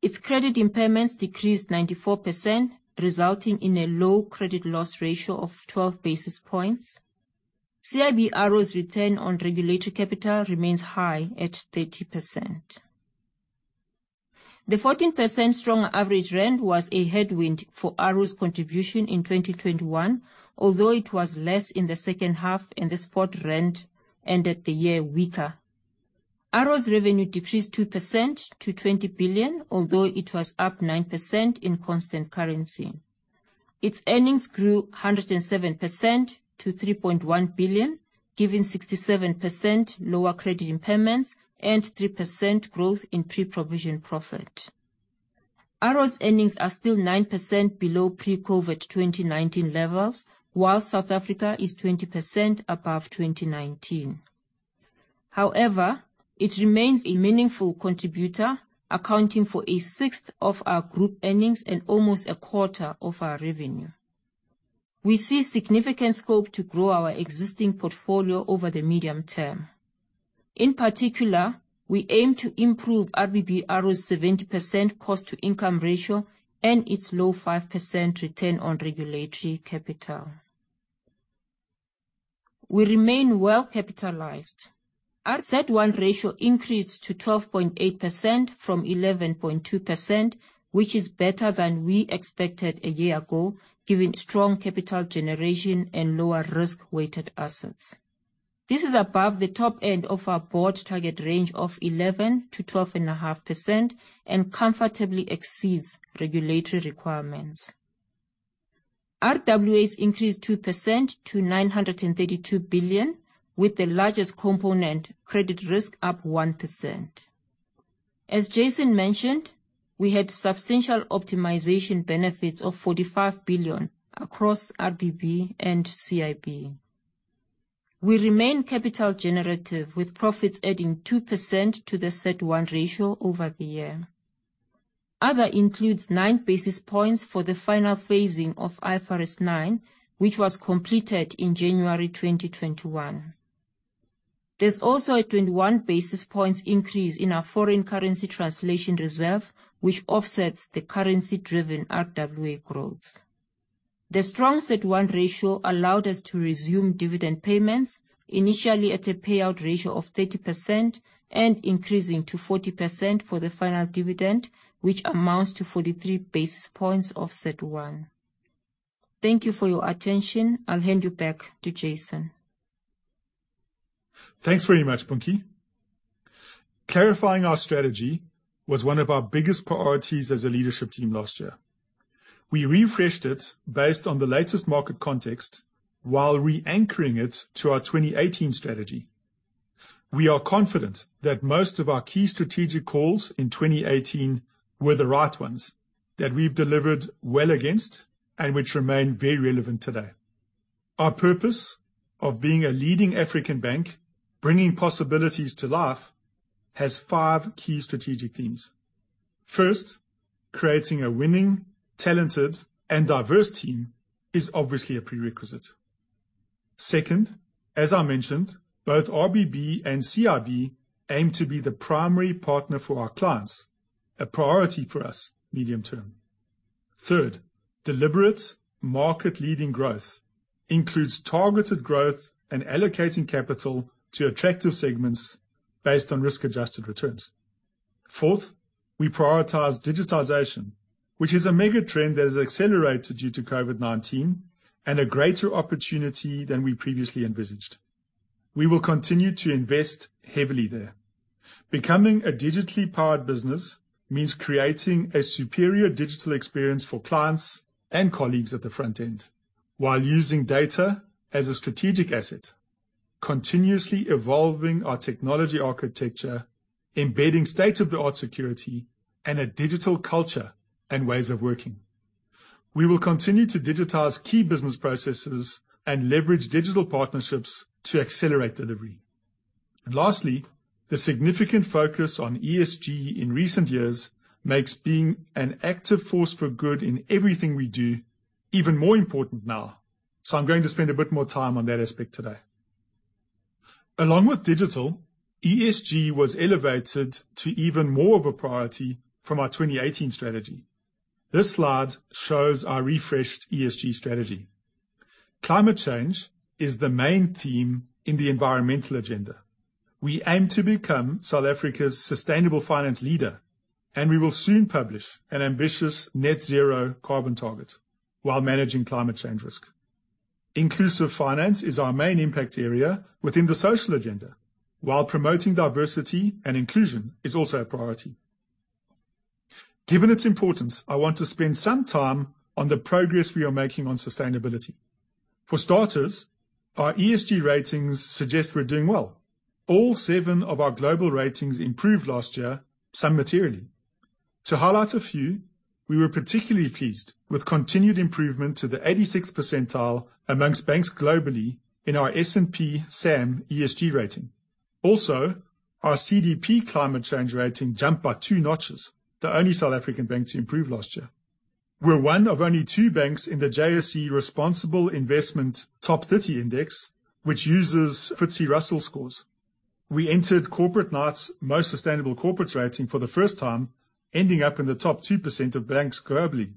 Its credit impairments decreased 94%, resulting in a low credit loss ratio of 12 basis points. CIB ARO's return on regulatory capital remains high at 30%. The 14% strong average rand was a headwind for ARO's contribution in 2021, although it was less in the second half, and the spot rand ended the year weaker. ARO's revenue decreased 2% to 20 billion, although it was up 9% in constant currency. Its earnings grew 107% to 3.1 billion, giving 67% lower credit impairments and 3% growth in pre-provision profit. ARO's earnings are still 9% below pre-COVID 2019 levels, while South Africa is 20% above 2019. However, it remains a meaningful contributor, accounting for a sixth of our group earnings and almost a quarter of our revenue. We see significant scope to grow our existing portfolio over the medium term. In particular, we aim to improve RBB ARO's 70% cost-to-income ratio and its low 5% return on regulatory capital. We remain well-capitalized. Our CET1 ratio increased to 12.8% from 11.2%, which is better than we expected a year ago, given strong capital generation and lower risk-weighted assets. This is above the top end of our board target range of 11%-12.5% and comfortably exceeds regulatory requirements. RWAs increased 2% to 932 billion, with the largest component, credit risk, up 1%. As Jason mentioned, we had substantial optimization benefits of 45 billion across RBB and CIB. We remain capital generative, with profits adding 2% to the CET1 ratio over the year. Other includes nine basis points for the final phasing of IFRS 9, which was completed in January 2021. There's also a 21 basis points increase in our foreign currency translation reserve, which offsets the currency-driven RWA growth. The strong CET1 ratio allowed us to resume dividend payments, initially at a payout ratio of 30% and increasing to 40% for the final dividend, which amounts to 43 basis points of CET1. Thank you for your attention. I'll hand you back to Jason. Thanks very much, Punki. Clarifying our strategy was one of our biggest priorities as a leadership team last year. We refreshed it based on the latest market context while re-anchoring it to our 2018 strategy. We are confident that most of our key strategic calls in 2018 were the right ones that we've delivered well against and which remain very relevant today. Our purpose of being a leading African bank, bringing possibilities to life, has five key strategic themes. First, creating a winning, talented, and diverse team is obviously a prerequisite. Second, as I mentioned, both RBB and CIB aim to be the primary partner for our clients, a priority for us medium term. Third, deliberate market-leading growth includes targeted growth and allocating capital to attractive segments based on risk-adjusted returns. Fourth, we prioritize digitization, which is a mega trend that has accelerated due to COVID-19 and a greater opportunity than we previously envisioned. We will continue to invest heavily there. Becoming a digitally powered business means creating a superior digital experience for clients and colleagues at the front end while using data as a strategic asset, continuously evolving our technology architecture, embedding state-of-the-art security and a digital culture and ways of working. We will continue to digitize key business processes and leverage digital partnerships to accelerate delivery. Lastly, the significant focus on ESG in recent years makes being an active force for good in everything we do even more important now. I'm going to spend a bit more time on that aspect today. Along with digital, ESG was elevated to even more of a priority from our 2018 strategy. This slide shows our refreshed ESG strategy. Climate change is the main theme in the environmental agenda. We aim to become South Africa's sustainable finance leader, and we will soon publish an ambitious net zero carbon target while managing climate change risk. Inclusive finance is our main impact area within the social agenda, while promoting diversity and inclusion is also a priority. Given its importance, I want to spend some time on the progress we are making on sustainability. For starters, our ESG ratings suggest we're doing well. All seven of our global ratings improved last year, some materially. To highlight a few, we were particularly pleased with continued improvement to the 86th percentile amongst banks globally in our S&P SAM ESG rating. Also, our CDP climate change rating jumped by two notches. The only South African bank to improve last year. We're one of only two banks in the FTSE/JSE Responsible Investment Top 30 Index, which uses FTSE Russell scores. We entered Corporate Knights' most sustainable corporates rating for the first time, ending up in the top 2% of banks globally.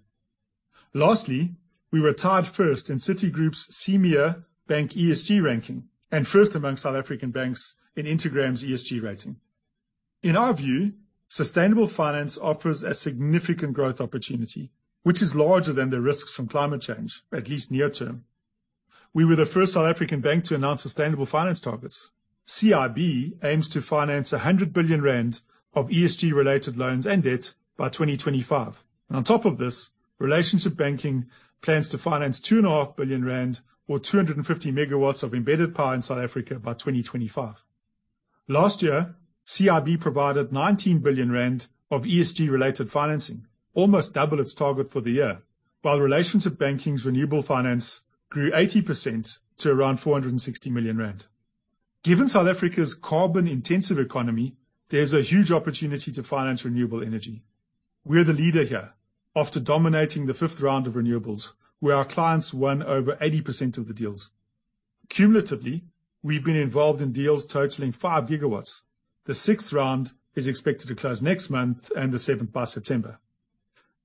Lastly, we were tied first in Citigroup's CEMEA Bank ESG ranking, and first among South African banks in Integritam's ESG rating. In our view, sustainable finance offers a significant growth opportunity which is larger than the risks from climate change, at least near term. We were the first South African bank to announce sustainable finance targets. CIB aims to finance 100 billion rand of ESG-related loans and debt by 2025. On top of this, relationship banking plans to finance 2.5 billion rand or 250 MW of embedded power in South Africa by 2025. Last year, CIB provided 19 billion rand of ESG-related financing, almost double its target for the year, while relationship banking's renewable finance grew 80% to around 460 million rand. Given South Africa's carbon-intensive economy, there's a huge opportunity to finance renewable energy. We're the leader here after dominating the fifth round of renewables, where our clients won over 80% of the deals. Cumulatively, we've been involved in deals totaling 5 GW. The sixth round is expected to close next month and the seventh by September.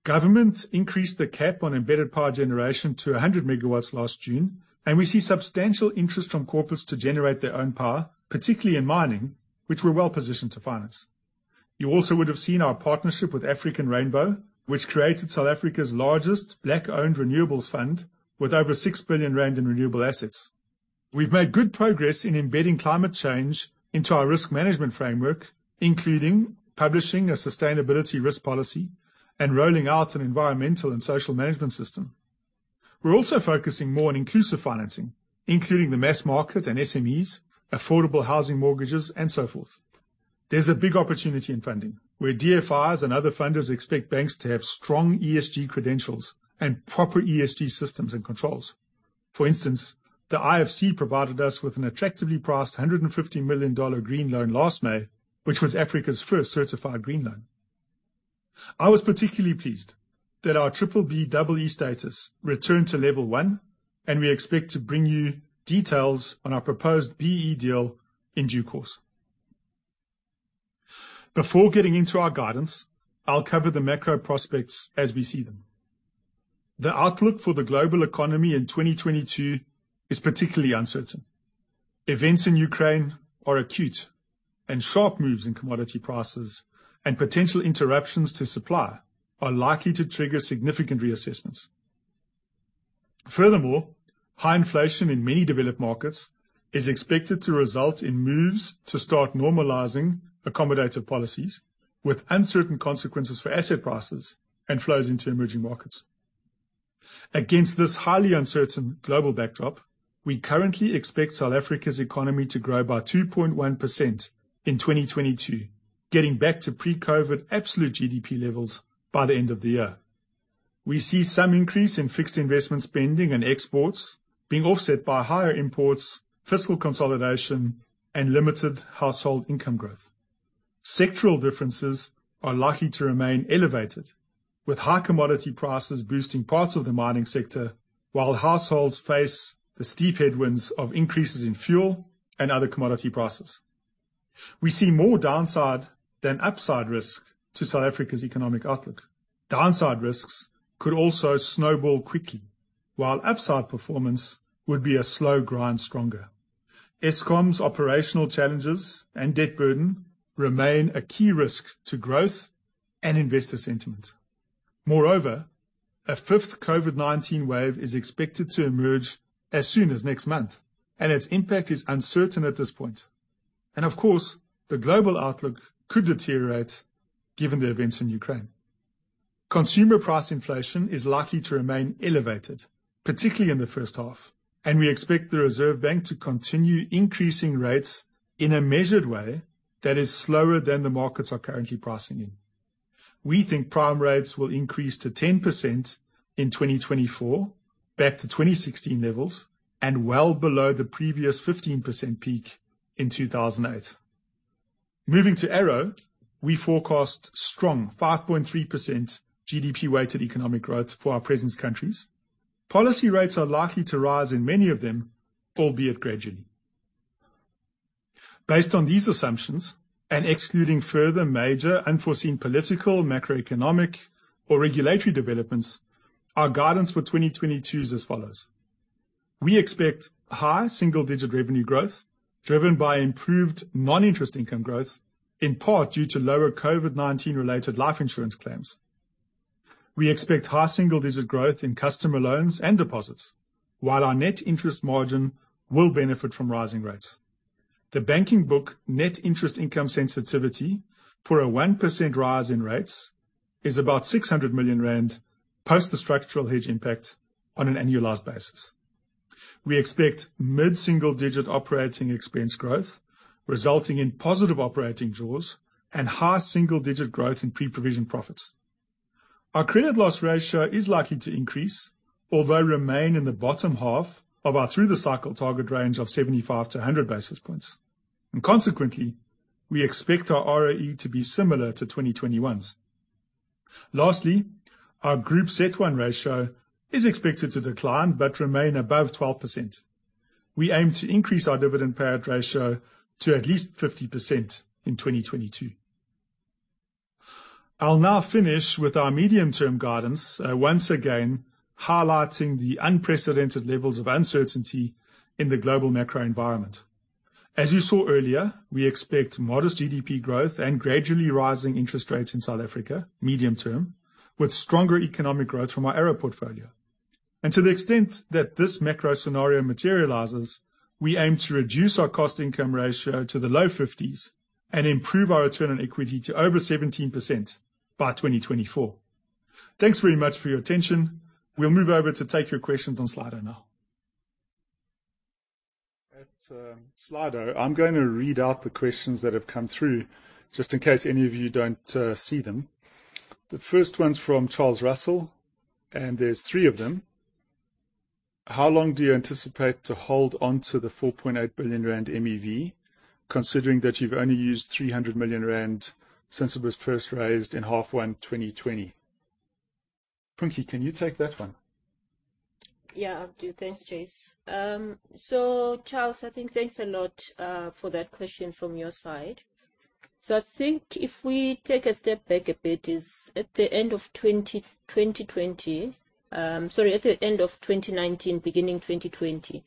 Government increased the cap on embedded power generation to 100 MW last June, and we see substantial interest from corporates to generate their own power, particularly in mining, which we're well positioned to finance. You also would have seen our partnership with African Rainbow Energy, which created South Africa's largest black-owned renewables fund with over 6 billion rand in renewable assets. We've made good progress in embedding climate change into our risk management framework, including publishing a sustainability risk policy and rolling out an environmental and social management system. We're also focusing more on inclusive financing, including the mass market and SMEs, affordable housing mortgages and so forth. There's a big opportunity in funding where DFIs and other funders expect banks to have strong ESG credentials and proper ESG systems and controls. For instance, the IFC provided us with an attractively priced $150 million green loan last May, which was Africa's first certified green loan. I was particularly pleased that our B-BBEE status returned to level one, and we expect to bring you details on our proposed BEE deal in due course. Before getting into our guidance, I'll cover the macro prospects as we see them. The outlook for the global economy in 2022 is particularly uncertain. Events in Ukraine are acute, and sharp moves in commodity prices and potential interruptions to supply are likely to trigger significant reassessments. Furthermore, high inflation in many developed markets is expected to result in moves to start normalizing accommodative policies with uncertain consequences for asset prices and flows into emerging markets. Against this highly uncertain global backdrop, we currently expect South Africa's economy to grow by 2.1% in 2022, getting back to pre-COVID absolute GDP levels by the end of the year. We see some increase in fixed investment spending and exports being offset by higher imports, fiscal consolidation, and limited household income growth. Sectoral differences are likely to remain elevated, with high commodity prices boosting parts of the mining sector while households face the steep headwinds of increases in fuel and other commodity prices. We see more downside than upside risk to South Africa's economic outlook. Downside risks could also snowball quickly, while upside performance would be a slow grind stronger. Eskom's operational challenges and debt burden remain a key risk to growth and investor sentiment. Moreover, a fifth COVID-19 wave is expected to emerge as soon as next month, and its impact is uncertain at this point. Of course, the global outlook could deteriorate given the events in Ukraine. Consumer price inflation is likely to remain elevated, particularly in the first half, and we expect the Reserve Bank to continue increasing rates in a measured way that is slower than the markets are currently pricing in. We think prime rates will increase to 10% in 2024, back to 2016 levels, and well below the previous 15% peak in 2008. Moving to ARO, we forecast strong 5.3% GDP weighted economic growth for our presence countries. Policy rates are likely to rise in many of them, albeit gradually. Based on these assumptions, and excluding further major unforeseen political, macroeconomic, or regulatory developments, our guidance for 2022 is as follows. We expect high single-digit revenue growth driven by improved non-interest income growth, in part due to lower COVID-19 related life insurance claims. We expect high single-digit growth in customer loans and deposits, while our net interest margin will benefit from rising rates. The banking book net interest income sensitivity for a 1% rise in rates is about 600 million rand post the structural hedge impact on an annualized basis. We expect mid-single digit operating expense growth resulting in positive operating jaws and high single-digit growth in pre-provision profits. Our credit loss ratio is likely to increase, although remain in the bottom half of our through-the-cycle target range of 75-100 basis points. Consequently, we expect our ROE to be similar to 2021's. Lastly, our Group CET1 ratio is expected to decline but remain above 12%. We aim to increase our dividend payout ratio to at least 50% in 2022. I'll now finish with our medium-term guidance, once again highlighting the unprecedented levels of uncertainty in the global macro environment. As you saw earlier, we expect modest GDP growth and gradually rising interest rates in South Africa medium term, with stronger economic growth from our ARO portfolio. To the extent that this macro scenario materializes, we aim to reduce our cost-income ratio to the low 50s and improve our return on equity to over 17% by 2024. Thanks very much for your attention. We'll move over to take your questions on Slido now. At Slido, I'm gonna read out the questions that have come through just in case any of you don't see them. The first one's from Charles Russell, and there's three of them. How long do you anticipate to hold on to the 4 billion rand MEV, considering that you've only used 300 million rand since it was first raised in H1 2020? Punki, can you take that one? Yeah, I'll do. Thanks, Chase. So Charles, I think thanks a lot for that question from your side. I think if we take a step back a bit, at the end of 2019, beginning 2020,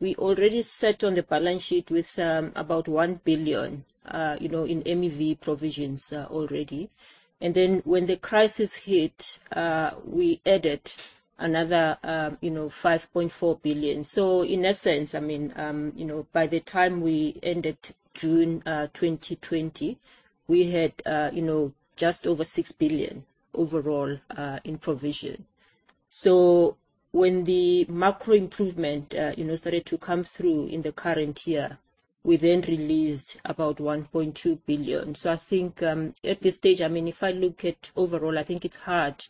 we already sat on the balance sheet with about 1 billion, you know, in MEV provisions already. Then when the crisis hit, we added another, you know, 5.4 billion. In essence, I mean, you know, by the time we ended June 2020, we had, you know, just over 6 billion overall in provisions. When the macro improvement, you know, started to come through in the current year, we then released about 1.2 billion. I think, at this stage, I mean, if I look at overall, I think it's hard,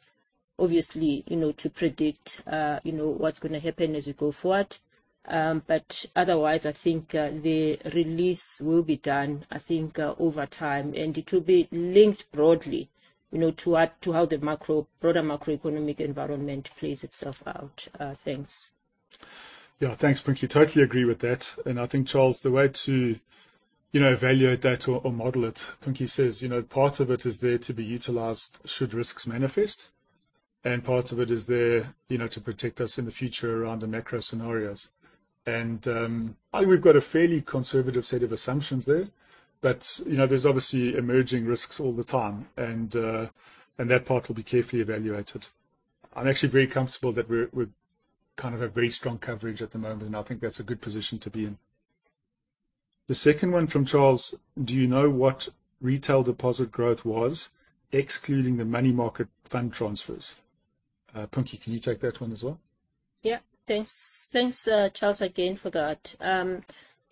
obviously, you know, to predict, you know, what's gonna happen as we go forward. Otherwise I think the release will be done, I think, over time, and it will be linked broadly, you know, to how the broader macroeconomic environment plays itself out. Thanks. Yeah. Thanks, Punki. Totally agree with that. I think, Charles, the way to, you know, evaluate that or model it. Punki says, you know, part of it is there to be utilized should risks manifest, and part of it is there, you know, to protect us in the future around the macro scenarios. I think we've got a fairly conservative set of assumptions there, but, you know, there's obviously emerging risks all the time, and that part will be carefully evaluated. I'm actually very comfortable that we're kind of a very strong coverage at the moment, and I think that's a good position to be in. The second one from Charles: Do you know what retail deposit growth was, excluding the money market fund transfers? Punki, can you take that one as well? Yeah. Thanks, Charles, again for that.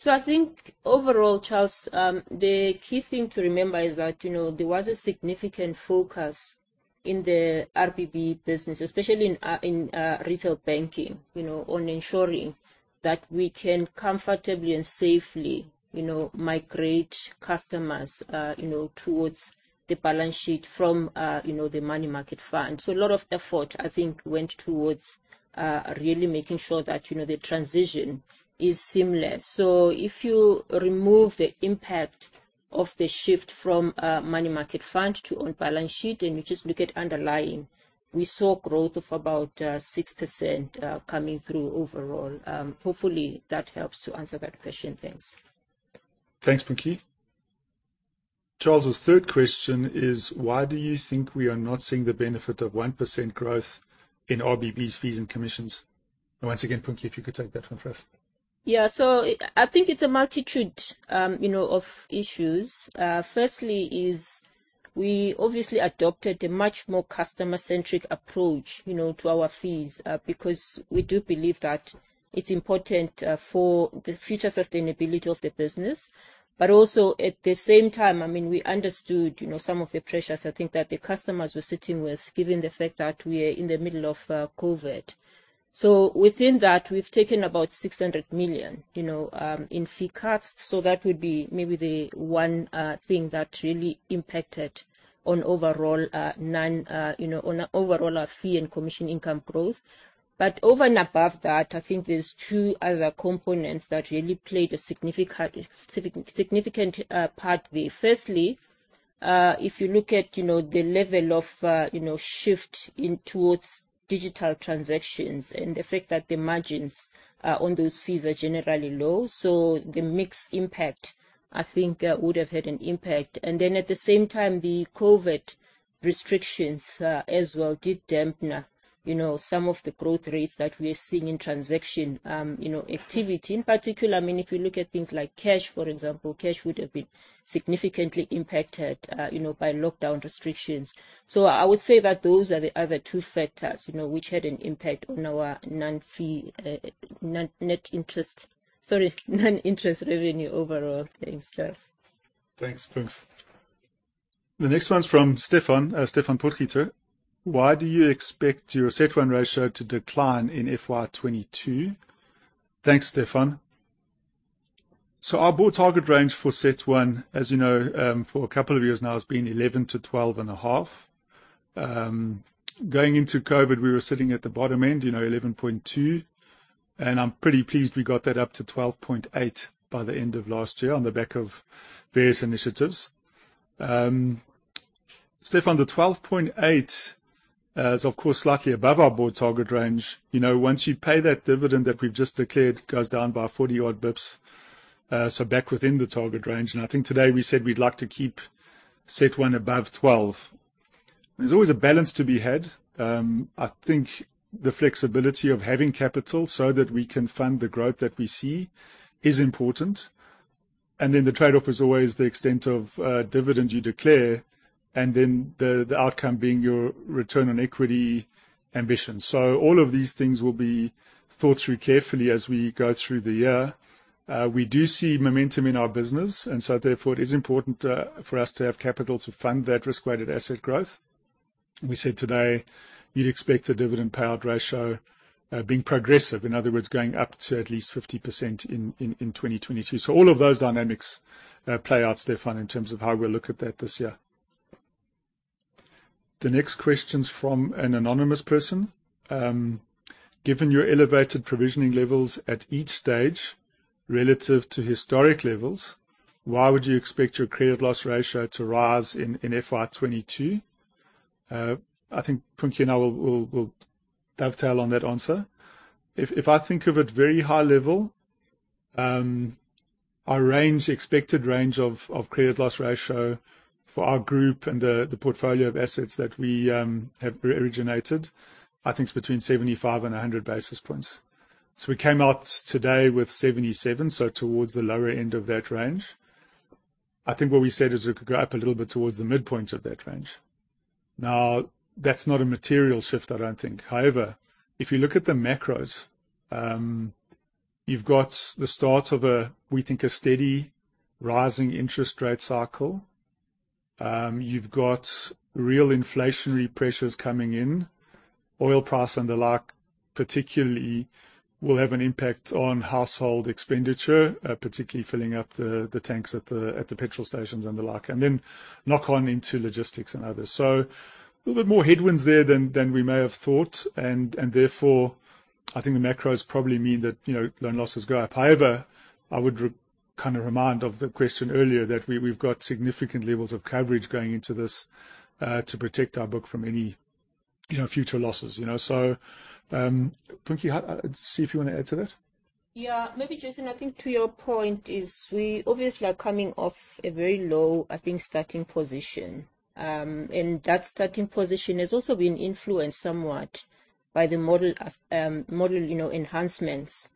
I think overall, Charles, the key thing to remember is that, you know, there was a significant focus in the RBB business, especially in retail banking, you know, on ensuring that we can comfortably and safely, you know, migrate customers, you know, towards the balance sheet from, you know, the money market fund. A lot of effort, I think, went towards really making sure that, you know, the transition is seamless. If you remove the impact of the shift from money market fund to on balance sheet, and you just look at underlying, we saw growth of about 6% coming through overall. Hopefully that helps to answer that question. Thanks. Thanks, Punki. Charles's third question is: Why do you think we are not seeing the benefit of 1% growth in RBB's fees and commissions? Once again, Punki, if you could take that one first. I think it's a multitude, you know, of issues. Firstly, we obviously adopted a much more customer-centric approach, you know, to our fees, because we do believe that it's important for the future sustainability of the business. Also at the same time, I mean, we understood, you know, some of the pressures I think that the customers were sitting with, given the fact that we are in the middle of COVID. Within that, we've taken about 600 million, you know, in fee cuts. That would be maybe the one thing that really impacted on overall our fee and commission income growth. Over and above that, I think there's two other components that really played a significant part there. Firstly, if you look at, you know, the level of shift in towards digital transactions and the fact that the margins on those fees are generally low, so the mix impact, I think, would have had an impact. At the same time, the COVID restrictions as well did dampen, you know, some of the growth rates that we're seeing in transaction activity. In particular, I mean, if you look at things like cash, for example. Cash would have been significantly impacted by lockdown restrictions. I would say that those are the other two factors, you know, which had an impact on our non-interest revenue overall. Thanks, John. Thanks. The next one's from Stephan Potgieter. Why do you expect your CET1 ratio to decline in FY 2022? Thanks, Stephan. Our board target range for CET1, as you know, for a couple of years now has been 11%-12.5%. Going into COVID, we were sitting at the bottom end, you know, 11.2%, and I'm pretty pleased we got that up to 12.8% by the end of last year on the back of various initiatives. Stephan, the 12.8% is of course slightly above our board target range. You know, once you pay that dividend that we've just declared, goes down by 40-odd bps. So back within the target range. I think today we said we'd like to keep CET1 above 12%. There's always a balance to be had. I think the flexibility of having capital so that we can fund the growth that we see is important. The trade-off is always the extent of dividend you declare, and then the outcome being your return on equity ambition. All of these things will be thought through carefully as we go through the year. We do see momentum in our business, and so therefore it is important for us to have capital to fund that risk-weighted asset growth. We said today you'd expect the dividend payout ratio being progressive, in other words, going up to at least 50% in 2022. All of those dynamics play out, Stefan, in terms of how we look at that this year. The next question is from an anonymous person. Given your elevated provisioning levels at each stage relative to historic levels, why would you expect your credit loss ratio to rise in FY 2022? I think, Punki and I will dovetail on that answer. If I think of it very high level, our expected range of credit loss ratio for our group and the portfolio of assets that we have originated, I think it's between 75 and 100 basis points. So we came out today with 77 basis points, so towards the lower end of that range. I think what we said is we could go up a little bit towards the midpoint of that range. Now, that's not a material shift, I don't think. However, if you look at the macros, you've got the start of a steady rising interest rate cycle. You've got real inflationary pressures coming in. Oil price and the like, particularly will have an impact on household expenditure, particularly filling up the tanks at the petrol stations and the like, and then knock on into logistics and others. A little bit more headwinds there than we may have thought and therefore, I think the macros probably mean that, you know, loan losses go up. However, I would kinda remind of the question earlier that we've got significant levels of coverage going into this to protect our book from any, you know, future losses, you know. Punki, I see if you wanna add to that. Yeah. Maybe, Jason, I think to your point is we obviously are coming off a very low, I think, starting position. That starting position has also been influenced somewhat by the model enhancements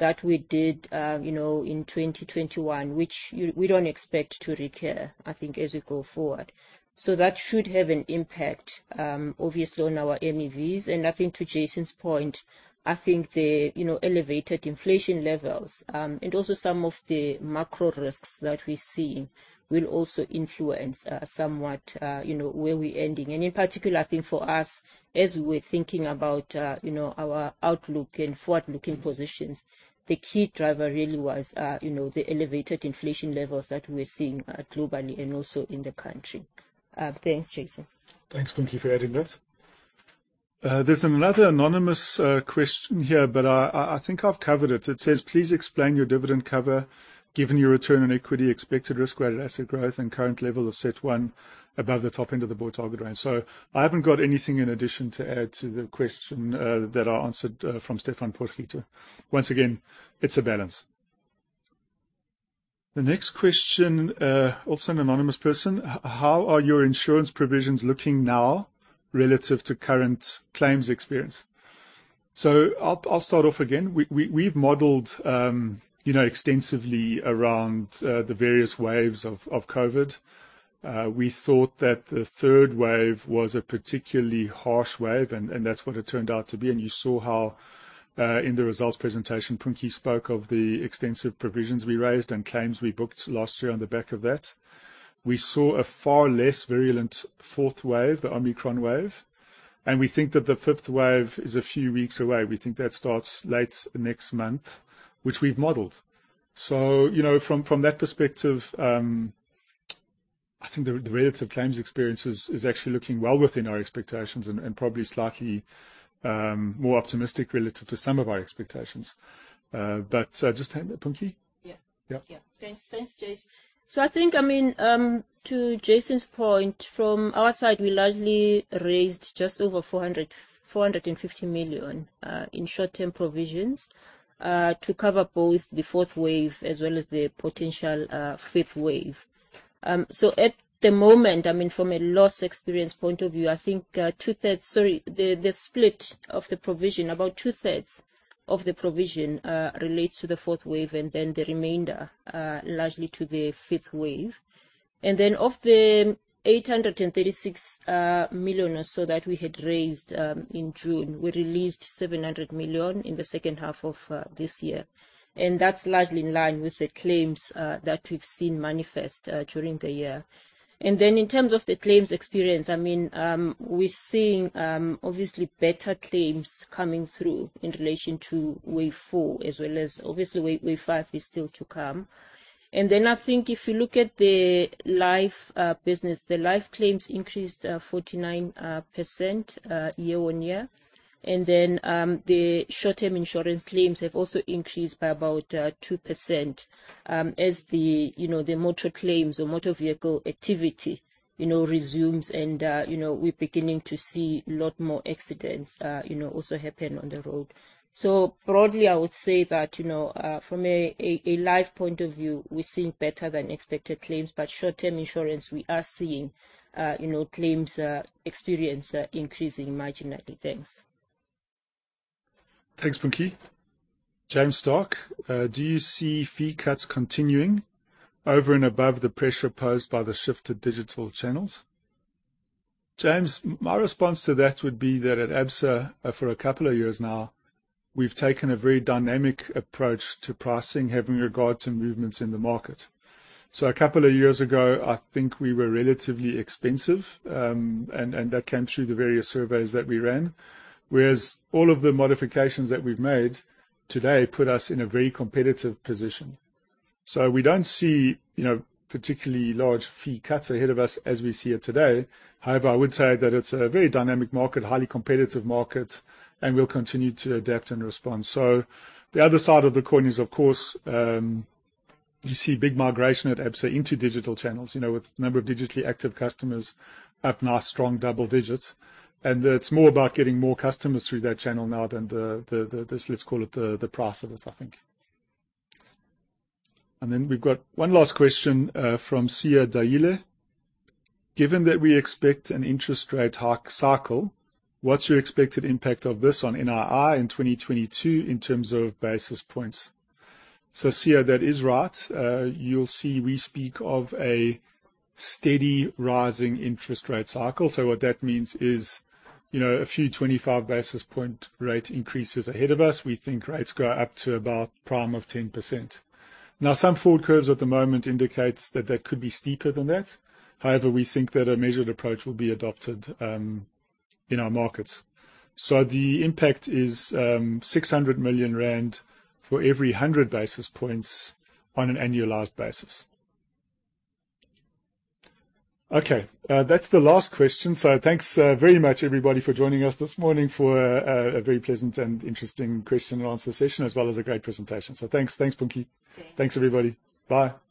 that we did, you know, in 2021, which we don't expect to recur, I think, as we go forward. That should have an impact, obviously on our MEVs. I think to Jason's point, I think the, you know, elevated inflation levels and also some of the macro risks that we're seeing will also influence, somewhat, you know, where we're ending. In particular, I think for us, as we were thinking about, you know, our outlook and forward-looking positions, the key driver really was, you know, the elevated inflation levels that we're seeing, globally and also in the country. Thanks, Jason. Thanks, Punki, for adding that. There's another anonymous question here, but I think I've covered it. It says, "Please explain your dividend cover, given your return on equity, expected risk-weighted asset growth and current level of CET1 above the top end of the board target range." I haven't got anything in addition to add to the question that I answered from Stephan Potgieter. Once again, it's a balance. The next question, also an anonymous person. "How are your insurance provisions looking now relative to current claims experience?" I'll start off again. We've modeled you know extensively around the various waves of COVID. We thought that the third wave was a particularly harsh wave, and that's what it turned out to be. You saw how in the results presentation, Punki spoke of the extensive provisions we raised and claims we booked last year on the back of that. We saw a far less virulent fourth wave, the Omicron wave, and we think that the fifth wave is a few weeks away. We think that starts late next month, which we've modeled. You know, from that perspective, I think the relative claims experience is actually looking well within our expectations and probably slightly more optimistic relative to some of our expectations. Just hand it to Punki. Yeah. Yeah. Yeah. Thanks. Thanks, Jason. I think, I mean, to Jason's point, from our side, we largely raised just over 450 million in short-term provisions to cover both the fourth wave as well as the potential fifth wave. At the moment, I mean, from a loss experience point of view, I think the split of the provision, about two-thirds of the provision, relates to the fourth wave, and then the remainder largely to the fifth wave. Of the 836 million or so that we had raised in June, we released 700 million in the second half of this year. That's largely in line with the claims that we've seen manifest during the year. Then in terms of the claims experience, I mean, we're seeing obviously better claims coming through in relation to wave four as well as obviously wave five is still to come. I think if you look at the life business, the life claims increased 49% year-on-year. The short-term insurance claims have also increased by about 2% as the, you know, the motor claims or motor vehicle activity, you know, resumes and, you know, we're beginning to see a lot more accidents, you know, also happen on the road. Broadly, I would say that, you know, from a life point of view, we're seeing better than expected claims. Short-term insurance, we are seeing, you know, claims experience increasing marginally. Thanks. Thanks, Punki. James Starke. "Do you see fee cuts continuing over and above the pressure posed by the shift to digital channels?" James, my response to that would be that at Absa, for a couple of years now, we've taken a very dynamic approach to pricing, having regard to movements in the market. A couple of years ago, I think we were relatively expensive, and that came through the various surveys that we ran. Whereas all of the modifications that we've made today put us in a very competitive position. We don't see, you know, particularly large fee cuts ahead of us as we see it today. However, I would say that it's a very dynamic market, highly competitive market, and we'll continue to adapt and respond. The other side of the coin is, of course, you see big migration at Absa into digital channels. You know, with the number of digitally active customers up nice strong double digits. It's more about getting more customers through that channel now than, let's call it, the price of it, I think. Then we've got one last question from Sia Dayile. "Given that we expect an interest rate hike cycle, what's your expected impact of this on NII in 2022 in terms of basis points?" Sia, that is right. You'll see we speak of a steady rising interest rate cycle. What that means is, you know, a few 25 basis point rate increases ahead of us. We think rates go up to about prime of 10%. Now, some forward curves at the moment indicate that could be steeper than that. However, we think that a measured approach will be adopted in our markets. The impact is 600 million rand for every 100 basis points on an annualized basis. Okay, that's the last question. Thanks, very much, everybody, for joining us this morning for a very pleasant and interesting question and answer session, as well as a great presentation. Thanks. Thanks, Punki. Thanks. Thanks, everybody. Bye.